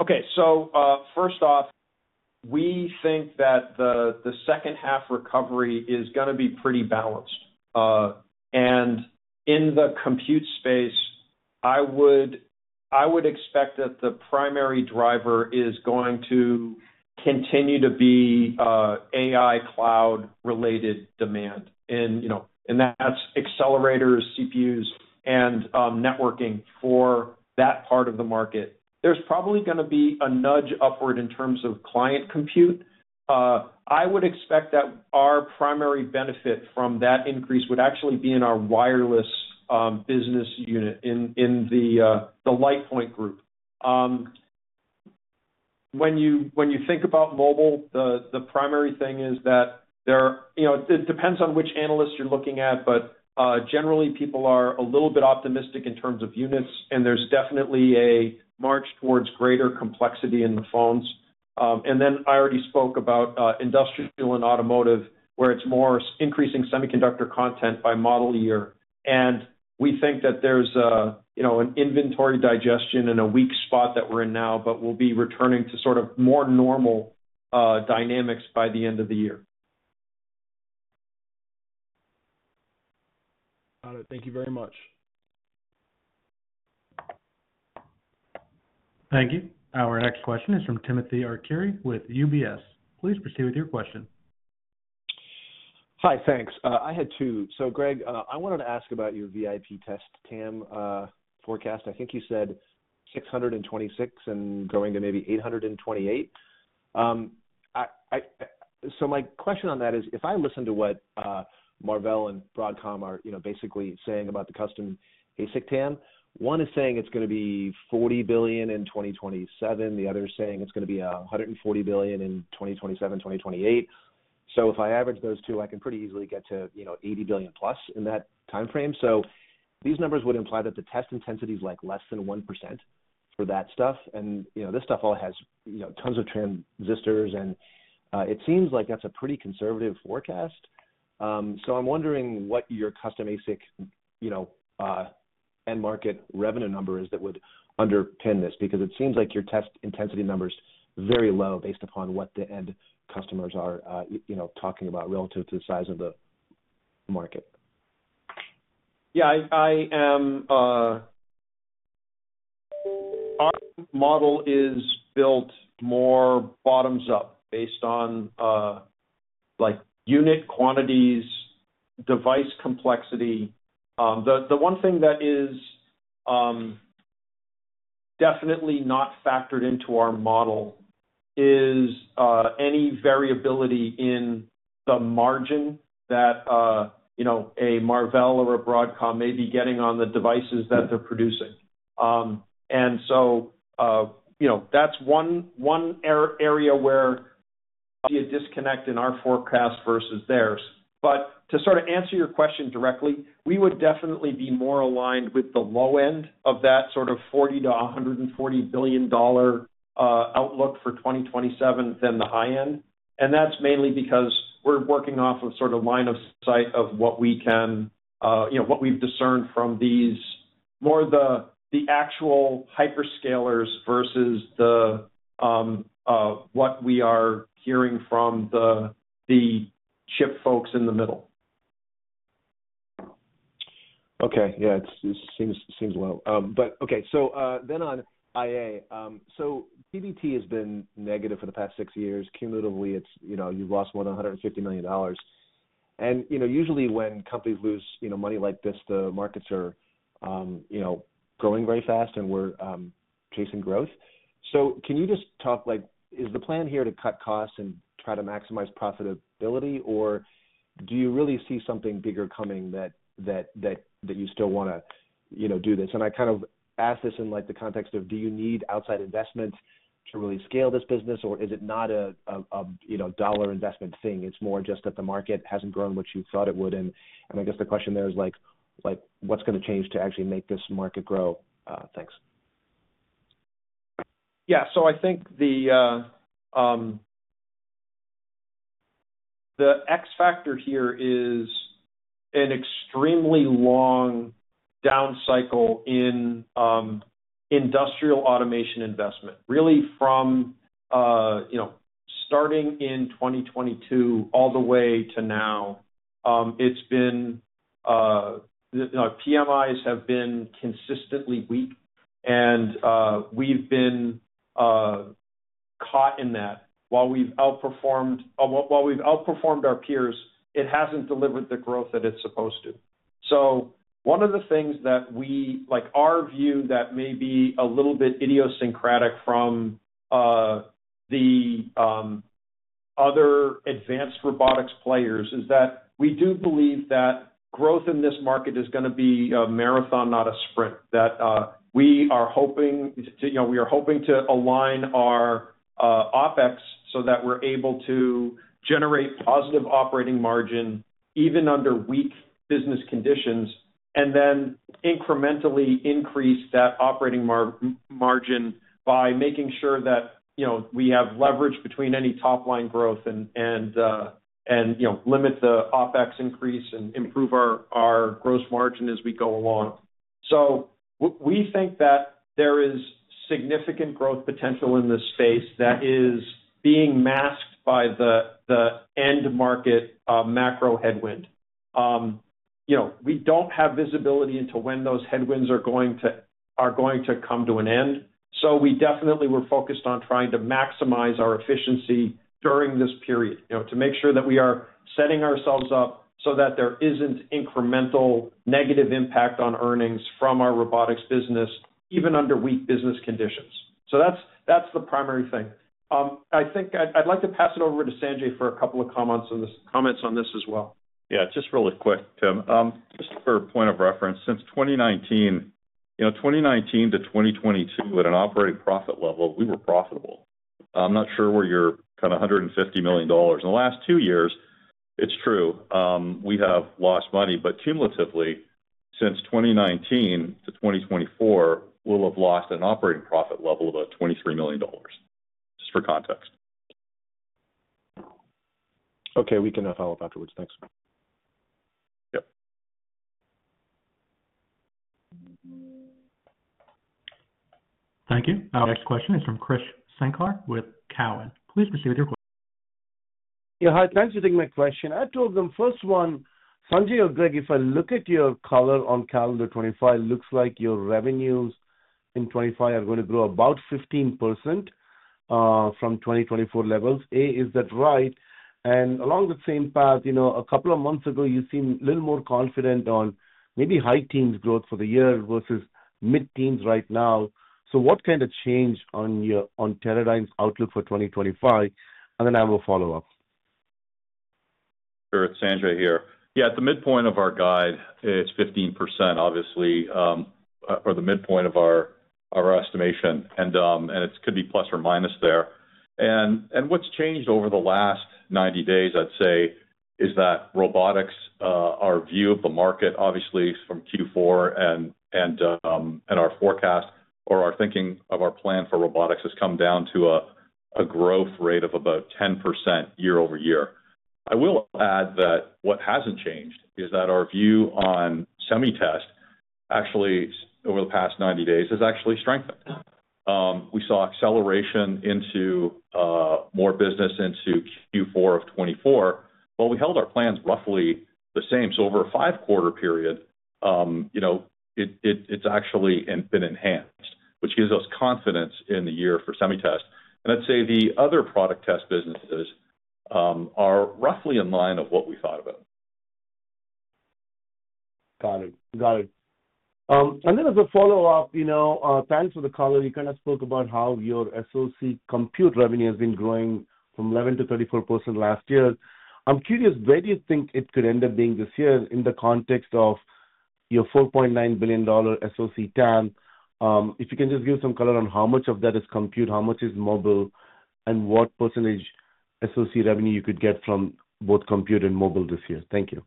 Okay. So first off, we think that the second-half recovery is going to be pretty balanced. In the compute space, I would expect that the primary driver is going to continue to be AI cloud-related demand. That's accelerators, CPUs, and networking for that part of the market. There's probably going to be a nudge upward in terms of client compute. I would expect that our primary benefit from that increase would actually be in our wireless business unit in the Lightpoint group. When you think about mobile, the primary thing is that it depends on which analysts you're looking at. Generally, people are a little bit optimistic in terms of units. There's definitely a march towards greater complexity in the phones, then I already spoke about industrial and automotive where it's more increasing semiconductor content by model year. And we think that there's an inventory digestion and a weak spot that we're in now, but we'll be returning to sort of more normal dynamics by the end of the year. Got it. Thank you very much. Thank you. Our next question is from Timothy Arcuri with UBS. Please proceed with your question. Hi, thanks. I had two. So Greg, I wanted to ask about your VIP test TAM forecast. I think you said $6.26 billion and going to maybe $8.28 billion. So my question on that is, if I listen to what Marvell and Broadcom are basically saying about the custom ASIC TAM, one is saying it's going to be $40 billion in 2027. The other is saying it's going to be $140 billion in 2027, 2028. So if I average those two, I can pretty easily get to $80 billion+ in that time frame. So these numbers would imply that the test intensity is less than 1% for that stuff. And this stuff all has tons of transistors. And it seems like that's a pretty conservative forecast. So I'm wondering what your custom ASIC end market revenue number is that would underpin this because it seems like your test intensity number is very low based upon what the end customers are talking about relative to the size of the market. Yeah. Our model is built more bottoms up based on unit quantities, device complexity. The one thing that is definitely not factored into our model is any variability in the margin that a Marvell or a Broadcom may be getting on the devices that they're producing. And so that's one area where I see a disconnect in our forecast versus theirs. But to sort of answer your question directly, we would definitely be more aligned with the low end of that sort of $40 billion-$140 billion outlook for 2027 than the high end. And that's mainly because we're working off of sort of line of sight of what we've discerned from these more the actual hyperscalers versus what we are hearing from the chip folks in the middle. Okay. Yeah. It seems low. But okay. So then on IA. So PBT has been negative for the past six years. Cumulatively, you've lost more than $150 million. And usually when companies lose money like this, the markets are growing very fast and we're chasing growth. So can you just talk? Is the plan here to cut costs and try to maximize profitability, or do you really see something bigger coming that you still want to do this? And I kind of ask this in the context of, do you need outside investment to really scale this business, or is it not a dollar investment thing? It's more just that the market hasn't grown what you thought it would. And Iguess the question there is, what's going to change to actually make this market grow? Thanks. Yeah. So I think the X factor here is an extremely long down cycle in industrial automation investment. Really from starting in 2022 all the way to now, it's been, PMIs have been consistently weak. And we've been caught in that. While we've outperformed our peers, it hasn't delivered the growth that it's supposed to. So one of the things that our view that may be a little bit idiosyncratic from the other advanced robotics players is that we do believe that growth in this market is going to be a marathon, not a sprint. That we are hoping to align our OpEx so that we're able to generate positive operating margin even under weak business conditions and then incrementally increase that operating margin by making sure that we have leverage between any top-line growth and limit the OpEx increase and improve our gross margin as we go along. So we think that there is significant growth potential in this space that is being masked by the end market macro headwind. We don't have visibility into when those headwinds are going to come to an end. So we definitely were focused on trying to maximize our efficiency during this period to make sure that we are setting ourselves up so that there isn't incremental negative impact on earnings from our robotics business even under weak business conditions. So that's the primary thing. I think I'd like to pass it over to Sanjay for a couple of comments on this as well. Yeah. Just really quick, Tim. Just for a point of reference, since 2019-2022, at an operating profit level, we were profitable. I'm not sure where your kind of $150 million. In the last two years, it's true, we have lost money. But cumulatively, since 2019-2024, we'll have lost an operating profit level of about $23 million just for context. Okay. We can follow up afterwards. Thanks. Thank you. Our next question is from Krish Sankar with Cowen. Please proceed with your question. Yeah. Hi, thanks for taking my question. First one, Sanjay or Greg, if I look at your color on calendar 2025, it looks like your revenues in 2025 are going to grow about 15% from 2024 levels. A, is that right? And along the same path, a couple of months ago, you seem a little more confident on maybe high-teens growth for the year versus mid-teens right now. So what kind of change on Teradyne's outlook for 2025? And then I have a follow-up. Sure. It's Sanjay here. Yeah. At the midpoint of our guide, it's 15%, obviously, or the midpoint of our estimation. And it could be plus or minus there. What's changed over the last 90 days, I'd say, is that robotics, our view of the market, obviously from Q4 and our forecast or our thinking of our plan for robotics has come down to a growth rate of about 10% year-over-year. I will add that what hasn't changed is that our view on semi-test actually over the past 90 days has actually strengthened. We saw acceleration into more business into Q4 of 2024, but we held our plans roughly the same. Over a five-quarter period, it's actually been enhanced, which gives us confidence in the year for semi-test. I'd say the other product test businesses are roughly in line of what we thought about. Got it. Then as a follow-up, thanks for the color. You kind of spoke about how your SOC compute revenue has been growing from 11%-34% last year. I'm curious, where do you think it could end up being this year in the context of your $4.9 billion SOC TAM? If you can just give some color on how much of that is compute, how much is mobile, and what percentage SOC revenue you could get from both compute and mobile this year. Thank you.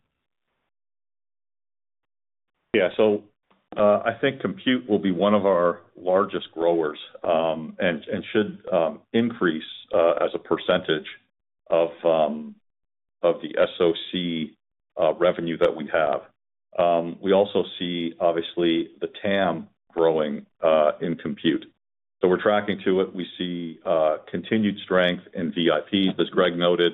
Yeah. So I think compute will be one of our largest growers and should increase as a percentage of the SOC revenue that we have. We also see, obviously, the TAM growing in compute. So we're tracking to it. We see continued strength in VIPs. As Greg noted,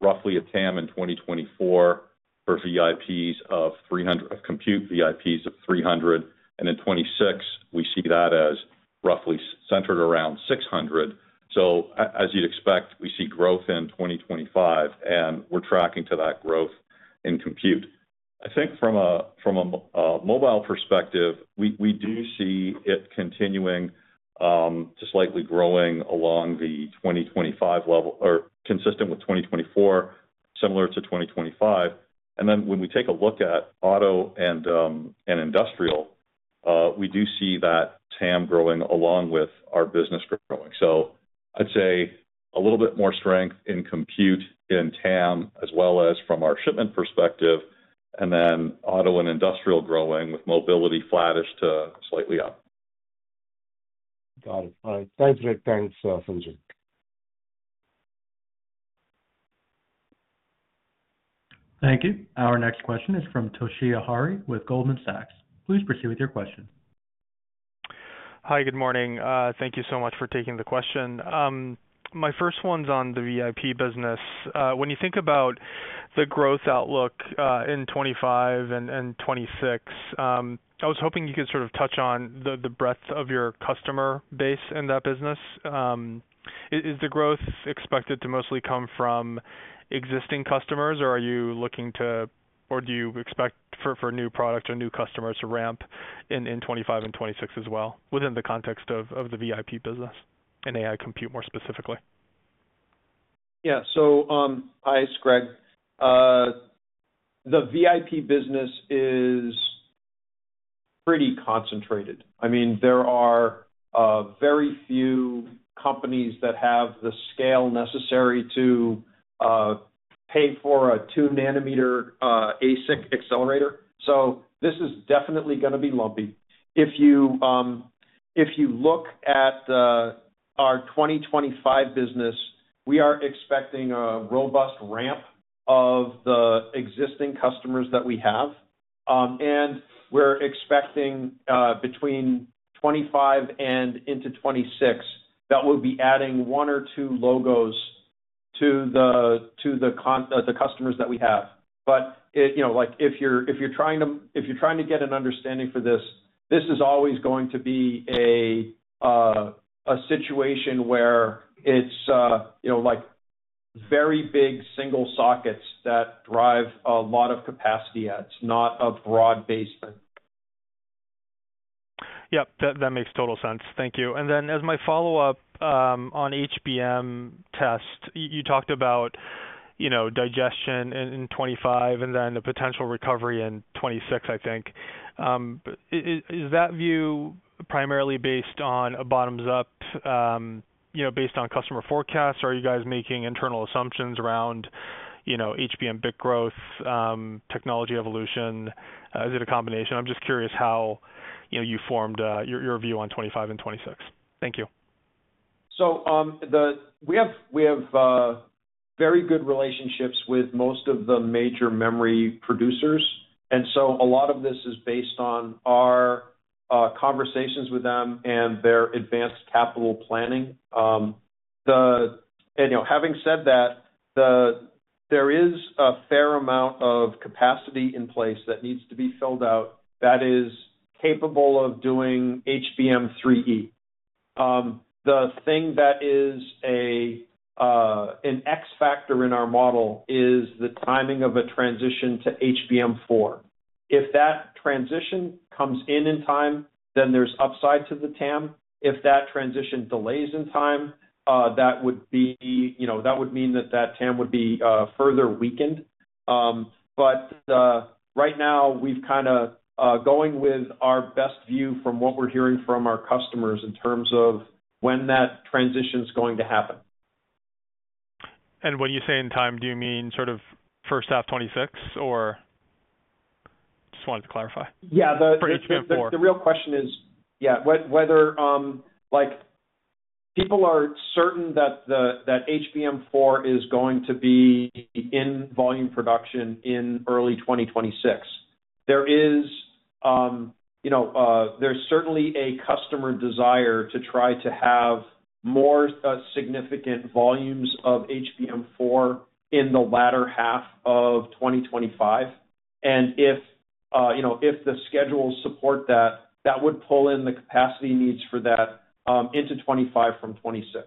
roughly a TAM in 2024 for VIPs of 300, of compute VIPs of 300. And in 2026, we see that as roughly centered around 600. So as you'd expect, we see growth in 2025, and we're tracking to that growth in compute. I think from a mobile perspective, we do see it continuing to slightly growing along the 2025 level or consistent with 2024, similar to 2025. And then when we take a look at auto and industrial, we do see that TAM growing along with our business growing. So I'd say a little bit more strength in compute and TAM as well as from our shipment perspective, and then auto and industrial growing with mobility flattish to slightly up. Got it. All right. Thanks, Greg. Thanks, Sanjay. Thank you. Our next question is from Toshiya Hari with Goldman Sachs. Please proceed with your question. Hi. Good morning. Thank you so much for taking the question. My first one's on the VIP business. When you think about the growth outlook in 2025 and 2026, I was hoping you could sort of touch on the breadth of your customer base in that business. Is the growth expected to mostly come from existing customers, or are you looking to, or do you expect for new products or new customers to ramp in 2025 and 2026 as well within the context of the VIP business and AI compute more specifically? Yeah. So hi, it's Greg. The VIP business is pretty concentrated. I mean, there are very few companies that have the scale necessary to pay for a 2 nm ASIC accelerator. So this is definitely going to be lumpy. If you look at our 2025 business, we are expecting a robust ramp of the existing customers that we have. And we're expecting between 2025 and into 2026 that we'll be adding one or two logos to the customers that we have. But if you're trying to get an understanding for this, this is always going to be a situation where it's very big single sockets that drive a lot of capacity adds, not a broad basement. Yep. That makes total sense. Thank you. And then as my follow-up on HBM test, you talked about digestion in 2025 and then the potential recovery in 2026, I think. Is that view primarily based on a bottoms up based on customer forecasts, or are you guys making internal assumptions around HBM big growth, technology evolution? Is it a combination? I'm just curious how you formed your view on 2025 and 2026. Thank you. So we have very good relationships with most of the major memory producers. A lot of this is based on our conversations with them and their advanced capital planning. Having said that, there is a fair amount of capacity in place that needs to be filled out that is capable of doing HBM3E. The thing that is an X factor in our model is the timing of a transition to HBM4. If that transition comes in in time, then there's upside to the TAM. If that transition delays in time, that would mean that that TAM would be further weakened. Right now, we've kind of gone with our best view from what we're hearing from our customers in terms of when that transition is going to happen. When you say in time, do you mean sort of first half 2026, or? Just wanted to clarify. Yeah. The real question is, yeah, whether people are certain that HBM4 is going to be in volume production in early 2026. There's certainly a customer desire to try to have more significant volumes of HBM4 in the latter half of 2025. And if the schedules support that, that would pull in the capacity needs for that into 2025 from 2026.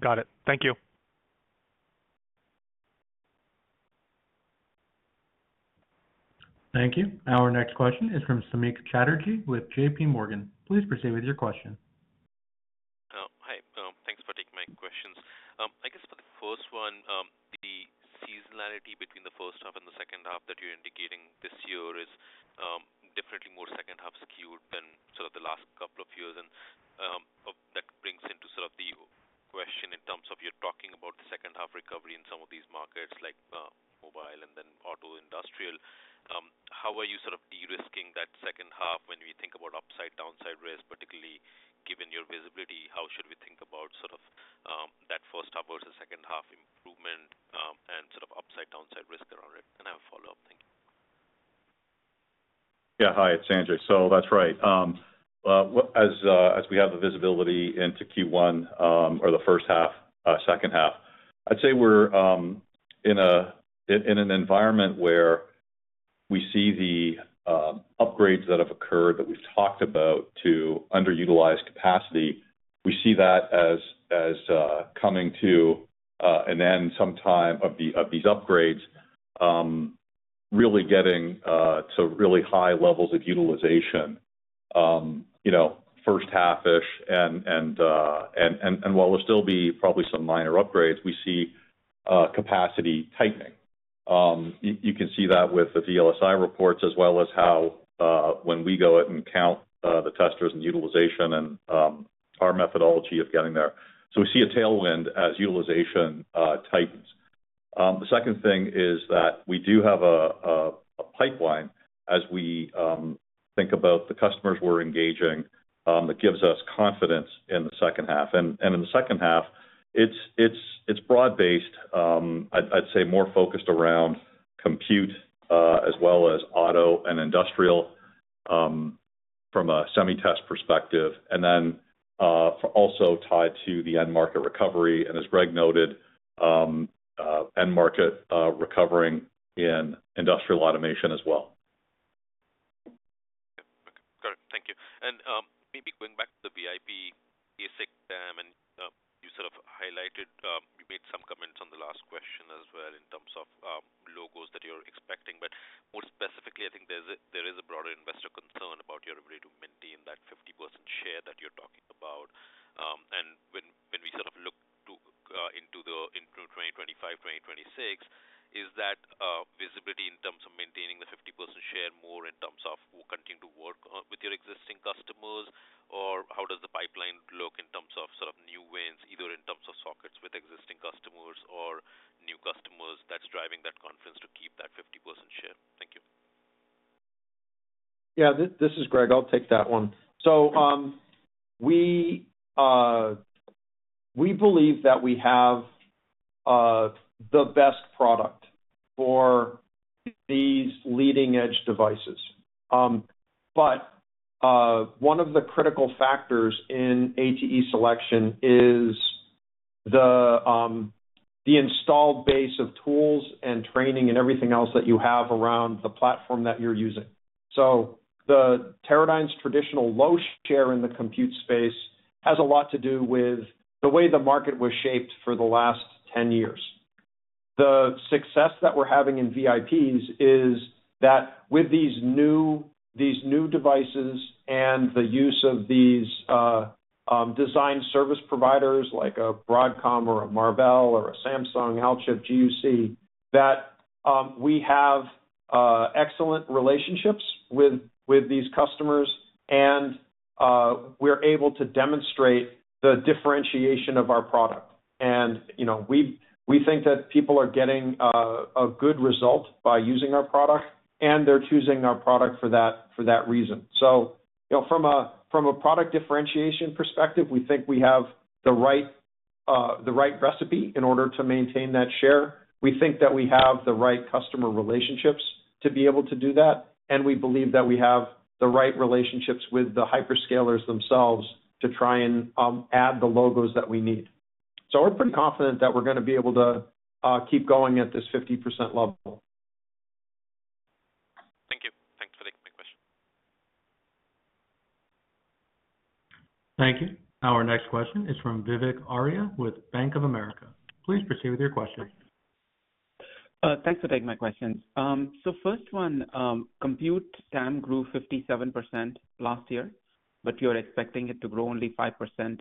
Got it. Thank you. Thank you. Our next question is from Samik Chatterjee with JPMorgan. Please proceed with your question. Oh, hi. Thanks for taking my questions. I guess for the first one, the seasonality between the first half and the second half that you're indicating this year is definitely more second half skewed than sort of the last couple of years. And that brings into sort of the question in terms of you're talking about the second half recovery in some of these markets like mobile and then auto industrial. How are you sort of de-risking that second half when we think about upside, downside risk, particularly given your visibility? How should we think about sort of that first half versus second half improvement and sort of upside, downside risk around it? And I have a follow-up. Thank you. Yeah. Hi. It's Sanjay. So that's right. As we have the visibility into Q1 or the first half, second half, I'd say we're in an environment where we see the upgrades that have occurred that we've talked about to underutilized capacity. We see that as coming to an end sometime of these upgrades, really getting to really high levels of utilization first half-ish. While there'll still be probably some minor upgrades, we see capacity tightening. You can see that with the VLSI reports as well as how when we go out and count the testers and utilization and our methodology of getting there. We see a tailwind as utilization tightens. The second thing is that we do have a pipeline as we think about the customers we're engaging that gives us confidence in the second half. In the second half, it's broad-based. I'd say more focused around compute as well as auto and industrial from a semi-test perspective, and then also tied to the end market recovery. As Greg noted, end market recovering in industrial automation as well. Got it. Thank you. And maybe going back to the VIP ASIC TAM, and you sort of highlighted you made some comments on the last question as well in terms of logos that you're expecting. But more specifically, I think there is a broader investor concern about your ability to maintain that 50% share that you're talking about. And when we sort of look into the 2025, 2026, is that visibility in terms of maintaining the 50% share more in terms of continuing to work with your existing customers, or how does the pipeline look in terms of sort of new ways, either in terms of sockets with existing customers or new customers that's driving that confidence to keep that 50% share? Thank you. Yeah. This is Greg. I'll take that one. So we believe that we have the best product for these leading-edge devices. But one of the critical factors in ATE selection is the installed base of tools and training and everything else that you have around the platform that you're using. So Teradyne's traditional low share in the compute space has a lot to do with the way the market was shaped for the last 10 years. The success that we're having in VIPs is that with these new devices and the use of these design service providers like a Broadcom or a Marvell or a Samsung, Alchip, GUC, that we have excellent relationships with these customers, and we're able to demonstrate the differentiation of our product. And we think that people are getting a good result by using our product, and they're choosing our product for that reason. So from a product differentiation perspective, we think we have the right recipe in order to maintain that share. We think that we have the right customer relationships to be able to do that. And we believe that we have the right relationships with the hyperscalers themselves to try and add the logos that we need. So we're pretty confident that we're going to be able to keep going at this 50% level. Thank you. Thanks for taking my question. Thank you. Our next question is from Vivek Arya with Bank of America. Please proceed with your question. Thanks for taking my questions. So first one, compute TAM grew 57% last year, but you're expecting it to grow only 5%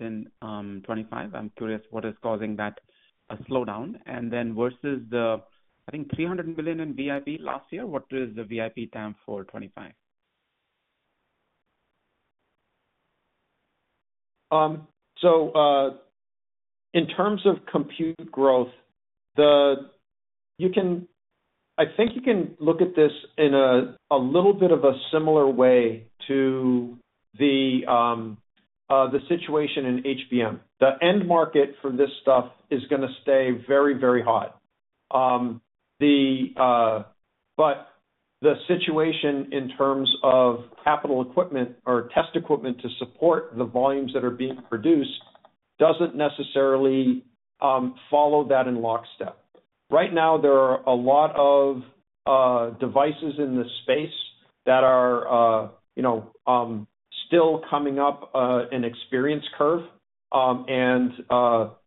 in 2025. I'm curious what is causing that slowdown. And then versus the, I think, $300 million in VIP last year, what is the VIP TAM for 2025? So in terms of compute growth, I think you can look at this in a little bit of a similar way to the situation in HBM. The end market for this stuff is going to stay very, very hot. But the situation in terms of capital equipment or test equipment to support the volumes that are being produced doesn't necessarily follow that in lockstep. Right now, there are a lot of devices in the space that are still coming up an experience curve and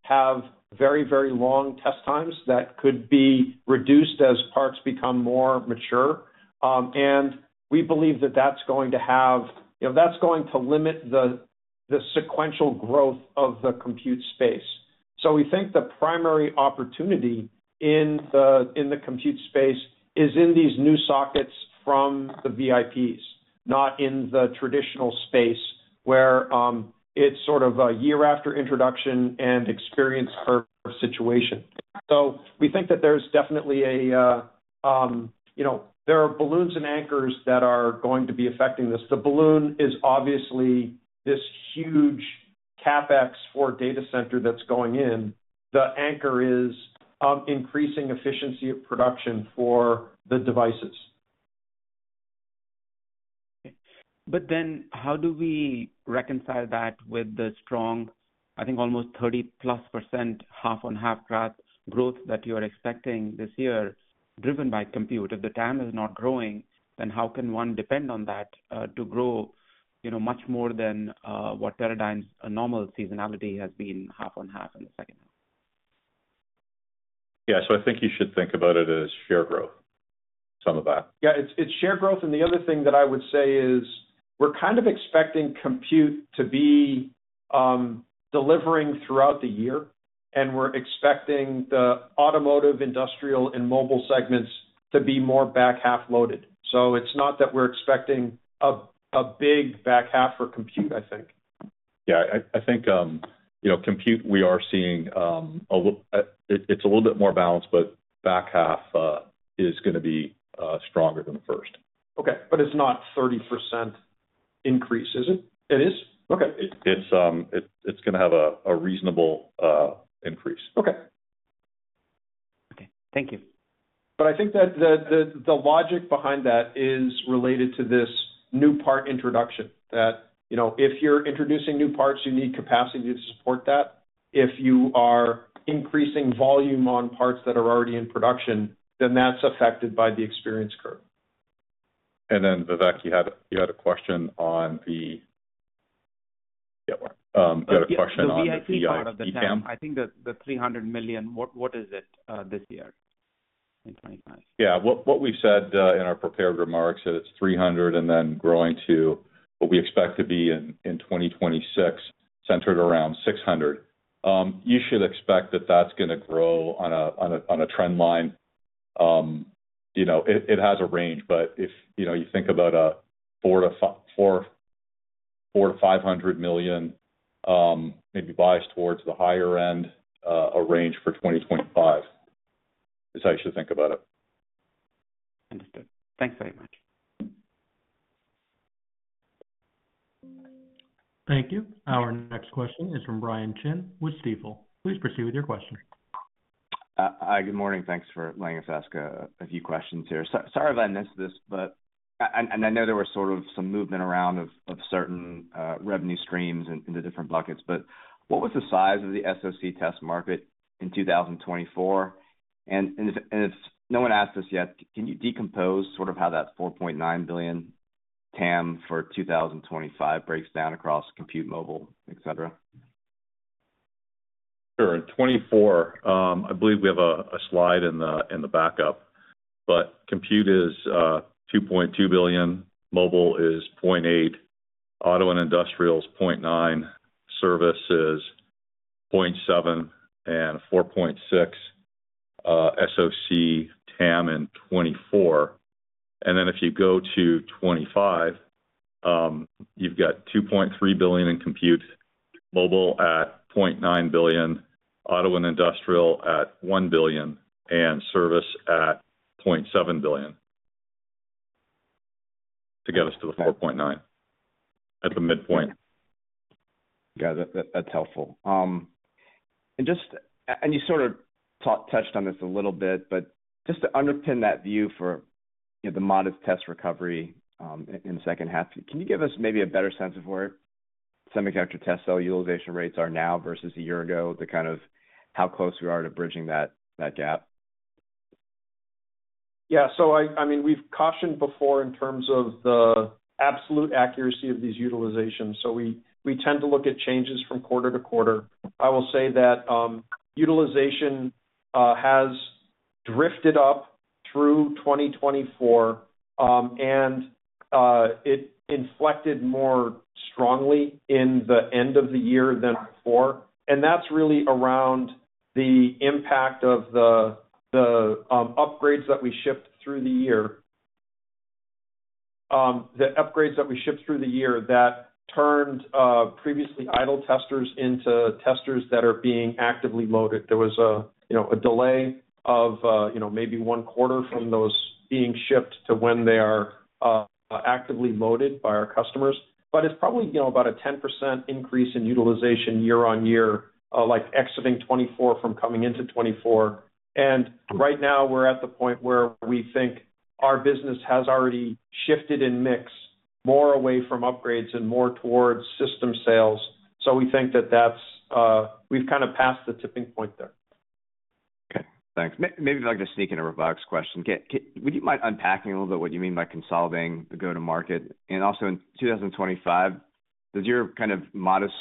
have very, very long test times that could be reduced as parts become more mature. And we believe that that's going to limit the sequential growth of the compute space. So we think the primary opportunity in the compute space is in these new sockets from the VIPs, not in the traditional space where it's sort of a year-after introduction and experience curve situation. So we think that there's definitely there are balloons and anchors that are going to be affecting this. The balloon is obviously this huge CapEx for data center that's going in. The anchor is increasing efficiency of production for the devices. But then how do we reconcile that with the strong, I think, almost 30%+ half-on-half growth that you are expecting this year driven by compute? If the TAM is not growing, then how can one depend on that to grow much more than what Teradyne's normal seasonality has been half-on-half in the second half? Yeah. So I think you should think about it as share growth, some of that. Yeah. It's share growth. And the other thing that I would say is we're kind of expecting compute to be delivering throughout the year, and we're expecting the automotive, industrial, and mobile segments to be more back half loaded. So it's not that we're expecting a big back half for compute, I think. Yeah. I think compute, we are seeing a little. It's a little bit more balanced, but back half is going to be stronger than the first. Okay. But it's not 30% increase, is it? It is. It's going to have a reasonable increase. Okay. Okay. Thank you. But I think that the logic behind that is related to this new part introduction, that if you're introducing new parts, you need capacity to support that. If you are increasing volume on parts that are already in production, then that's affected by the experience curve. Vivek, you had a question on the VIP part of the TAM? I think the $300 million, what is it this year in 2025? What we said in our prepared remarks is it's $300 million and then growing to what we expect to be in 2026, centered around $600 million. You should expect that that's going to grow on a trend line. It has a range, but if you think about $400 million-$500 million, maybe biased towards the higher end, a range for 2025 is how you should think about it. Understood. Thanks very much. Thank you. Our next question is from Brian Chin with Stifel. Please proceed with your question. Hi. Good morning. Thanks for letting us ask a few questions here. Sorry if I missed this, but I know there was sort of some movement around of certain revenue streams into different buckets. But what was the size of the SOC test market in 2024? And if no one asked us yet, can you decompose sort of how that $4.9 billion TAM for 2025 breaks down across compute, mobile, etc.? Sure. In 2024, I believe we have a slide in the backup, but compute is $2.2 billion, mobile is $0.8 billion, auto and industrial is $0.9 billion, service is $0.7 billion, and $4.6 billion SOC TAM in 2024. And then if you go to 2025, you've got $2.3 billion in compute, mobile at $0.9 billion, auto and industrial at $1 billion, and service at $0.7 billion to get us to the $4.9 billion at the midpoint. Yeah. That's helpful. You sort of touched on this a little bit, but just to underpin that view for the modest test recovery in the second half, can you give us maybe a better sense of where semiconductor test cell utilization rates are now versus a year ago, kind of how close we are to bridging that gap? Yeah. I mean, we've cautioned before in terms of the absolute accuracy of these utilizations. We tend to look at changes from quarter to quarter. I will say that utilization has drifted up through 2024, and it inflected more strongly in the end of the year than before. That's really around the impact of the upgrades that we shipped through the year that turned previously idle testers into testers that are being actively loaded. There was a delay of maybe one quarter from those being shipped to when they are actively loaded by our customers, but it's probably about a 10% increase in utilization year-on-year, like exiting 2024 from coming into 2024. And right now, we're at the point where we think our business has already shifted in mix more away from upgrades and more towards system sales, so we think that we've kind of passed the tipping point there. Okay. Thanks. Maybe like a sneaking robotics question. Would you mind unpacking a little bit what you mean by consolidating the go-to-market, and also in 2025, does your kind of modest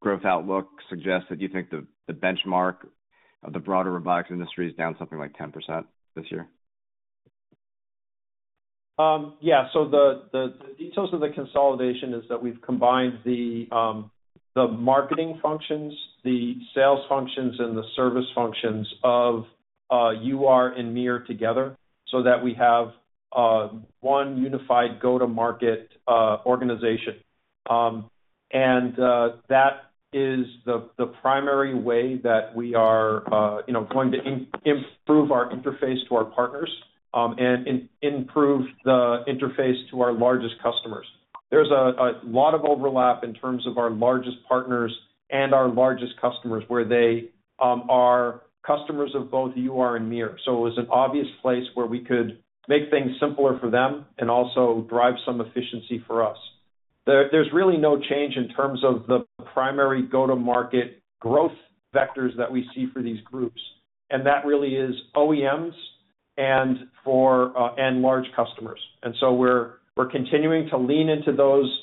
growth outlook suggest that you think the benchmark of the broader robotics industry is down something like 10% this year? Yeah. So the details of the consolidation is that we've combined the marketing functions, the sales functions, and the service functions of UR and MIR together so that we have one unified go-to-market organization. And that is the primary way that we are going to improve our interface to our partners and improve the interface to our largest customers. There's a lot of overlap in terms of our largest partners and our largest customers where they are customers of both UR and MIR. So it was an obvious place where we could make things simpler for them and also drive some efficiency for us. There's really no change in terms of the primary go-to-market growth vectors that we see for these groups. And that really is OEMs and large customers. And so we're continuing to lean into those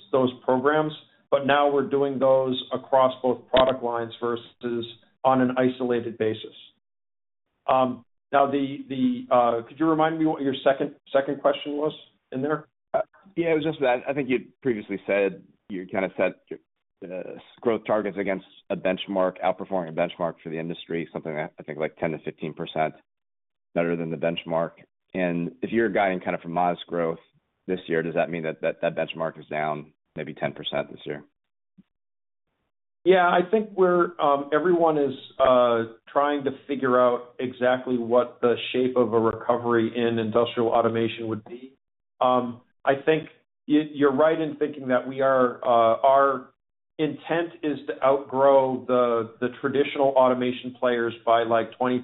programs, but now we're doing those across both product lines versus on an isolated basis. Now, could you remind me what your second question was in there? Yeah. It was just that I think you previously said you kind of set growth targets against a benchmark, outperforming a benchmark for the industry, something I think like 10%-15% better than the benchmark. And if you're guiding kind of from modest growth this year, does that mean that that benchmark is down maybe 10% this year? Yeah. I think everyone is trying to figure out exactly what the shape of a recovery in industrial automation would be. I think you're right in thinking that our intent is to outgrow the traditional automation players by like 20%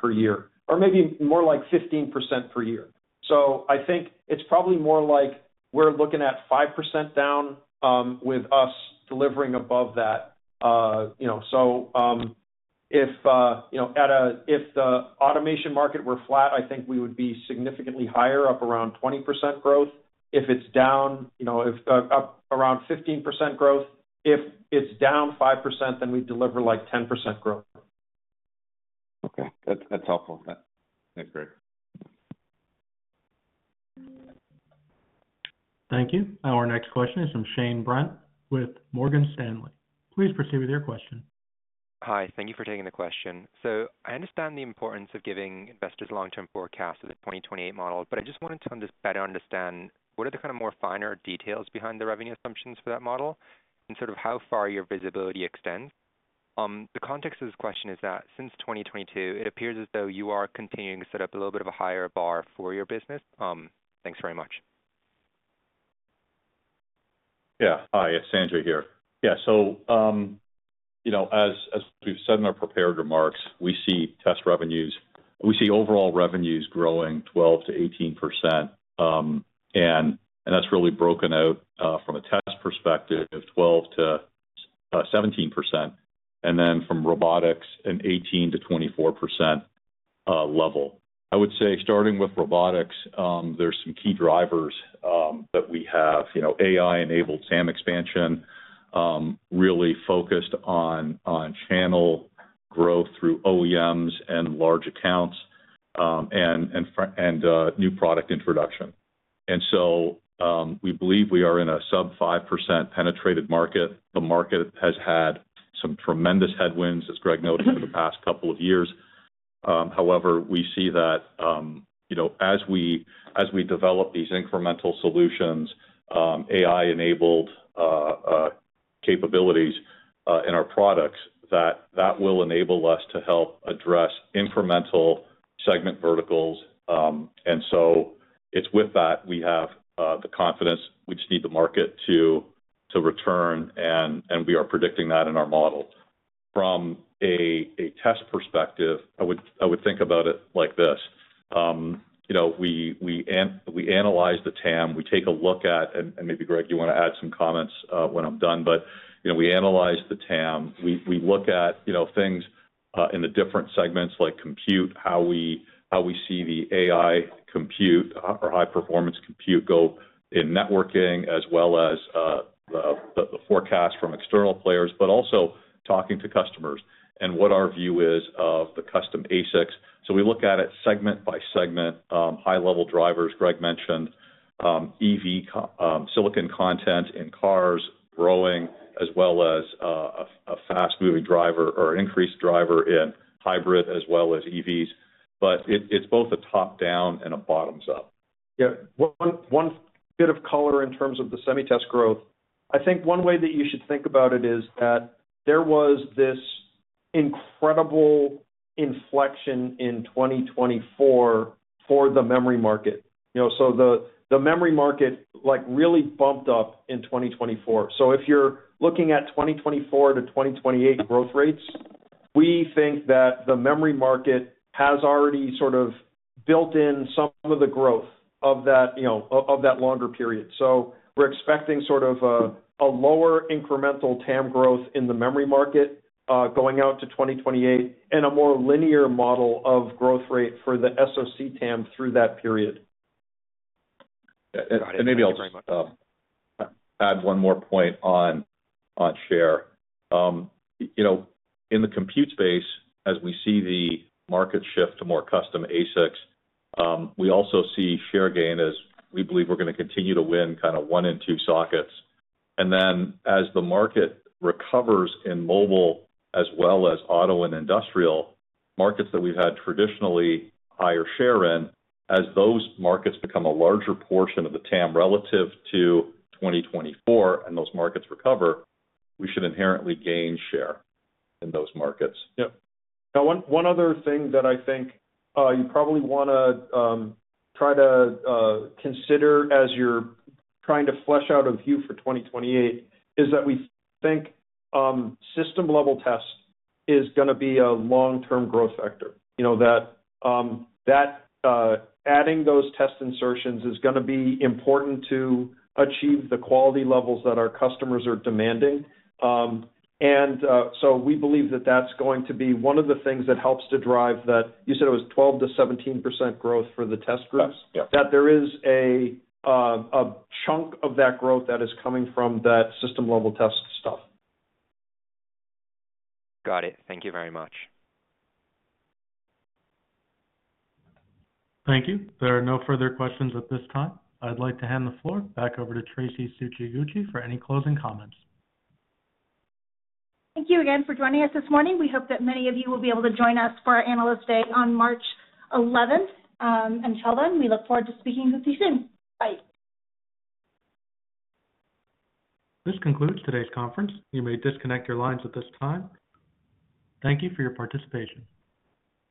per year or maybe more like 15% per year. So I think it's probably more like we're looking at 5% down with us delivering above that. So if the automation market were flat, I think we would be significantly higher, up around 20% growth. If it's up around 15% growth, if it's down 5%, then we deliver like 10% growth. Okay. That's helpful. That's great. Thank you. Our next question is from Shane Brett with Morgan Stanley. Please proceed with your question. Hi. Thank you for taking the question. So I understand the importance of giving investors long-term forecasts of the 2028 model, but I just wanted to better understand what are the kind of more finer details behind the revenue assumptions for that model and sort of how far your visibility extends. The context of this question is that since 2022, it appears as though you are continuing to set up a little bit of a higher bar for your business. Thanks very much. Yeah. Hi. It's Sanjay here. Yeah. So as we've said in our prepared remarks, we see test revenues. We see overall revenues growing 12%-18%. And that's really broken out from a test perspective, 12%-17%, and then from robotics an 18%-24% level. I would say starting with robotics, there's some key drivers that we have AI-enabled TAM expansion really focused on channel growth through OEMs and large accounts and new product introduction. And so we believe we are in a sub-5% penetrated market. The market has had some tremendous headwinds, as Greg noted, for the past couple of years. However, we see that as we develop these incremental solutions, AI-enabled capabilities in our products, that that will enable us to help address incremental segment verticals, and so it's with that we have the confidence we just need the market to return, and we are predicting that in our model. From a test perspective, I would think about it like this. We analyze the TAM. We take a look at, and maybe, Greg, you want to add some comments when I'm done, but we analyze the TAM. We look at things in the different segments like compute, how we see the AI compute or high-performance compute go in networking as well as the forecast from external players, but also talking to customers and what our view is of the custom ASICs. So we look at it segment by segment, high-level drivers. Greg mentioned EV silicon content in cars growing as well as a fast-moving driver or increased driver in hybrid as well as EVs. But it's both a top-down and a bottoms-up. Yeah. One bit of color in terms of the semi-test growth. I think one way that you should think about it is that there was this incredible inflection in 2024 for the memory market. So the memory market really bumped up in 2024. So if you're looking at 2024-2028 growth rates, we think that the memory market has already sort of built in some of the growth of that longer period. So we're expecting sort of a lower incremental TAM growth in the memory market going out to 2028 and a more linear model of growth rate for the SOC TAM through that period. And maybe I'll just add one more point on share. In the compute space, as we see the market shift to more custom ASICs, we also see share gain as we believe we're going to continue to win kind of one and two sockets. And then as the market recovers in mobile as well as auto and industrial markets that we've had traditionally higher share in, as those markets become a larger portion of the TAM relative to 2024 and those markets recover, we should inherently gain share in those markets. Yeah. Now, one other thing that I think you probably want to try to consider as you're trying to flesh out a view for 2028 is that we think system-level test is going to be a long-term growth factor, that adding those test insertions is going to be important to achieve the quality levels that our customers are demanding. And so we believe that that's going to be one of the things that helps to drive that. You said it was 12%-17% growth for the test groups, that there is a chunk of that growth that is coming from that system-level test stuff. Got it. Thank you very much. Thank you. There are no further questions at this time. I'd like to hand the floor back over to Traci Tsuchiguchi for any closing comments. Thank you again for joining us this morning. We hope that many of you will be able to join us for our analyst day on March 11th. Until then, we look forward to speaking with you soon. Bye. This concludes today's conference. You may disconnect your lines at this time. Thank you for your participation.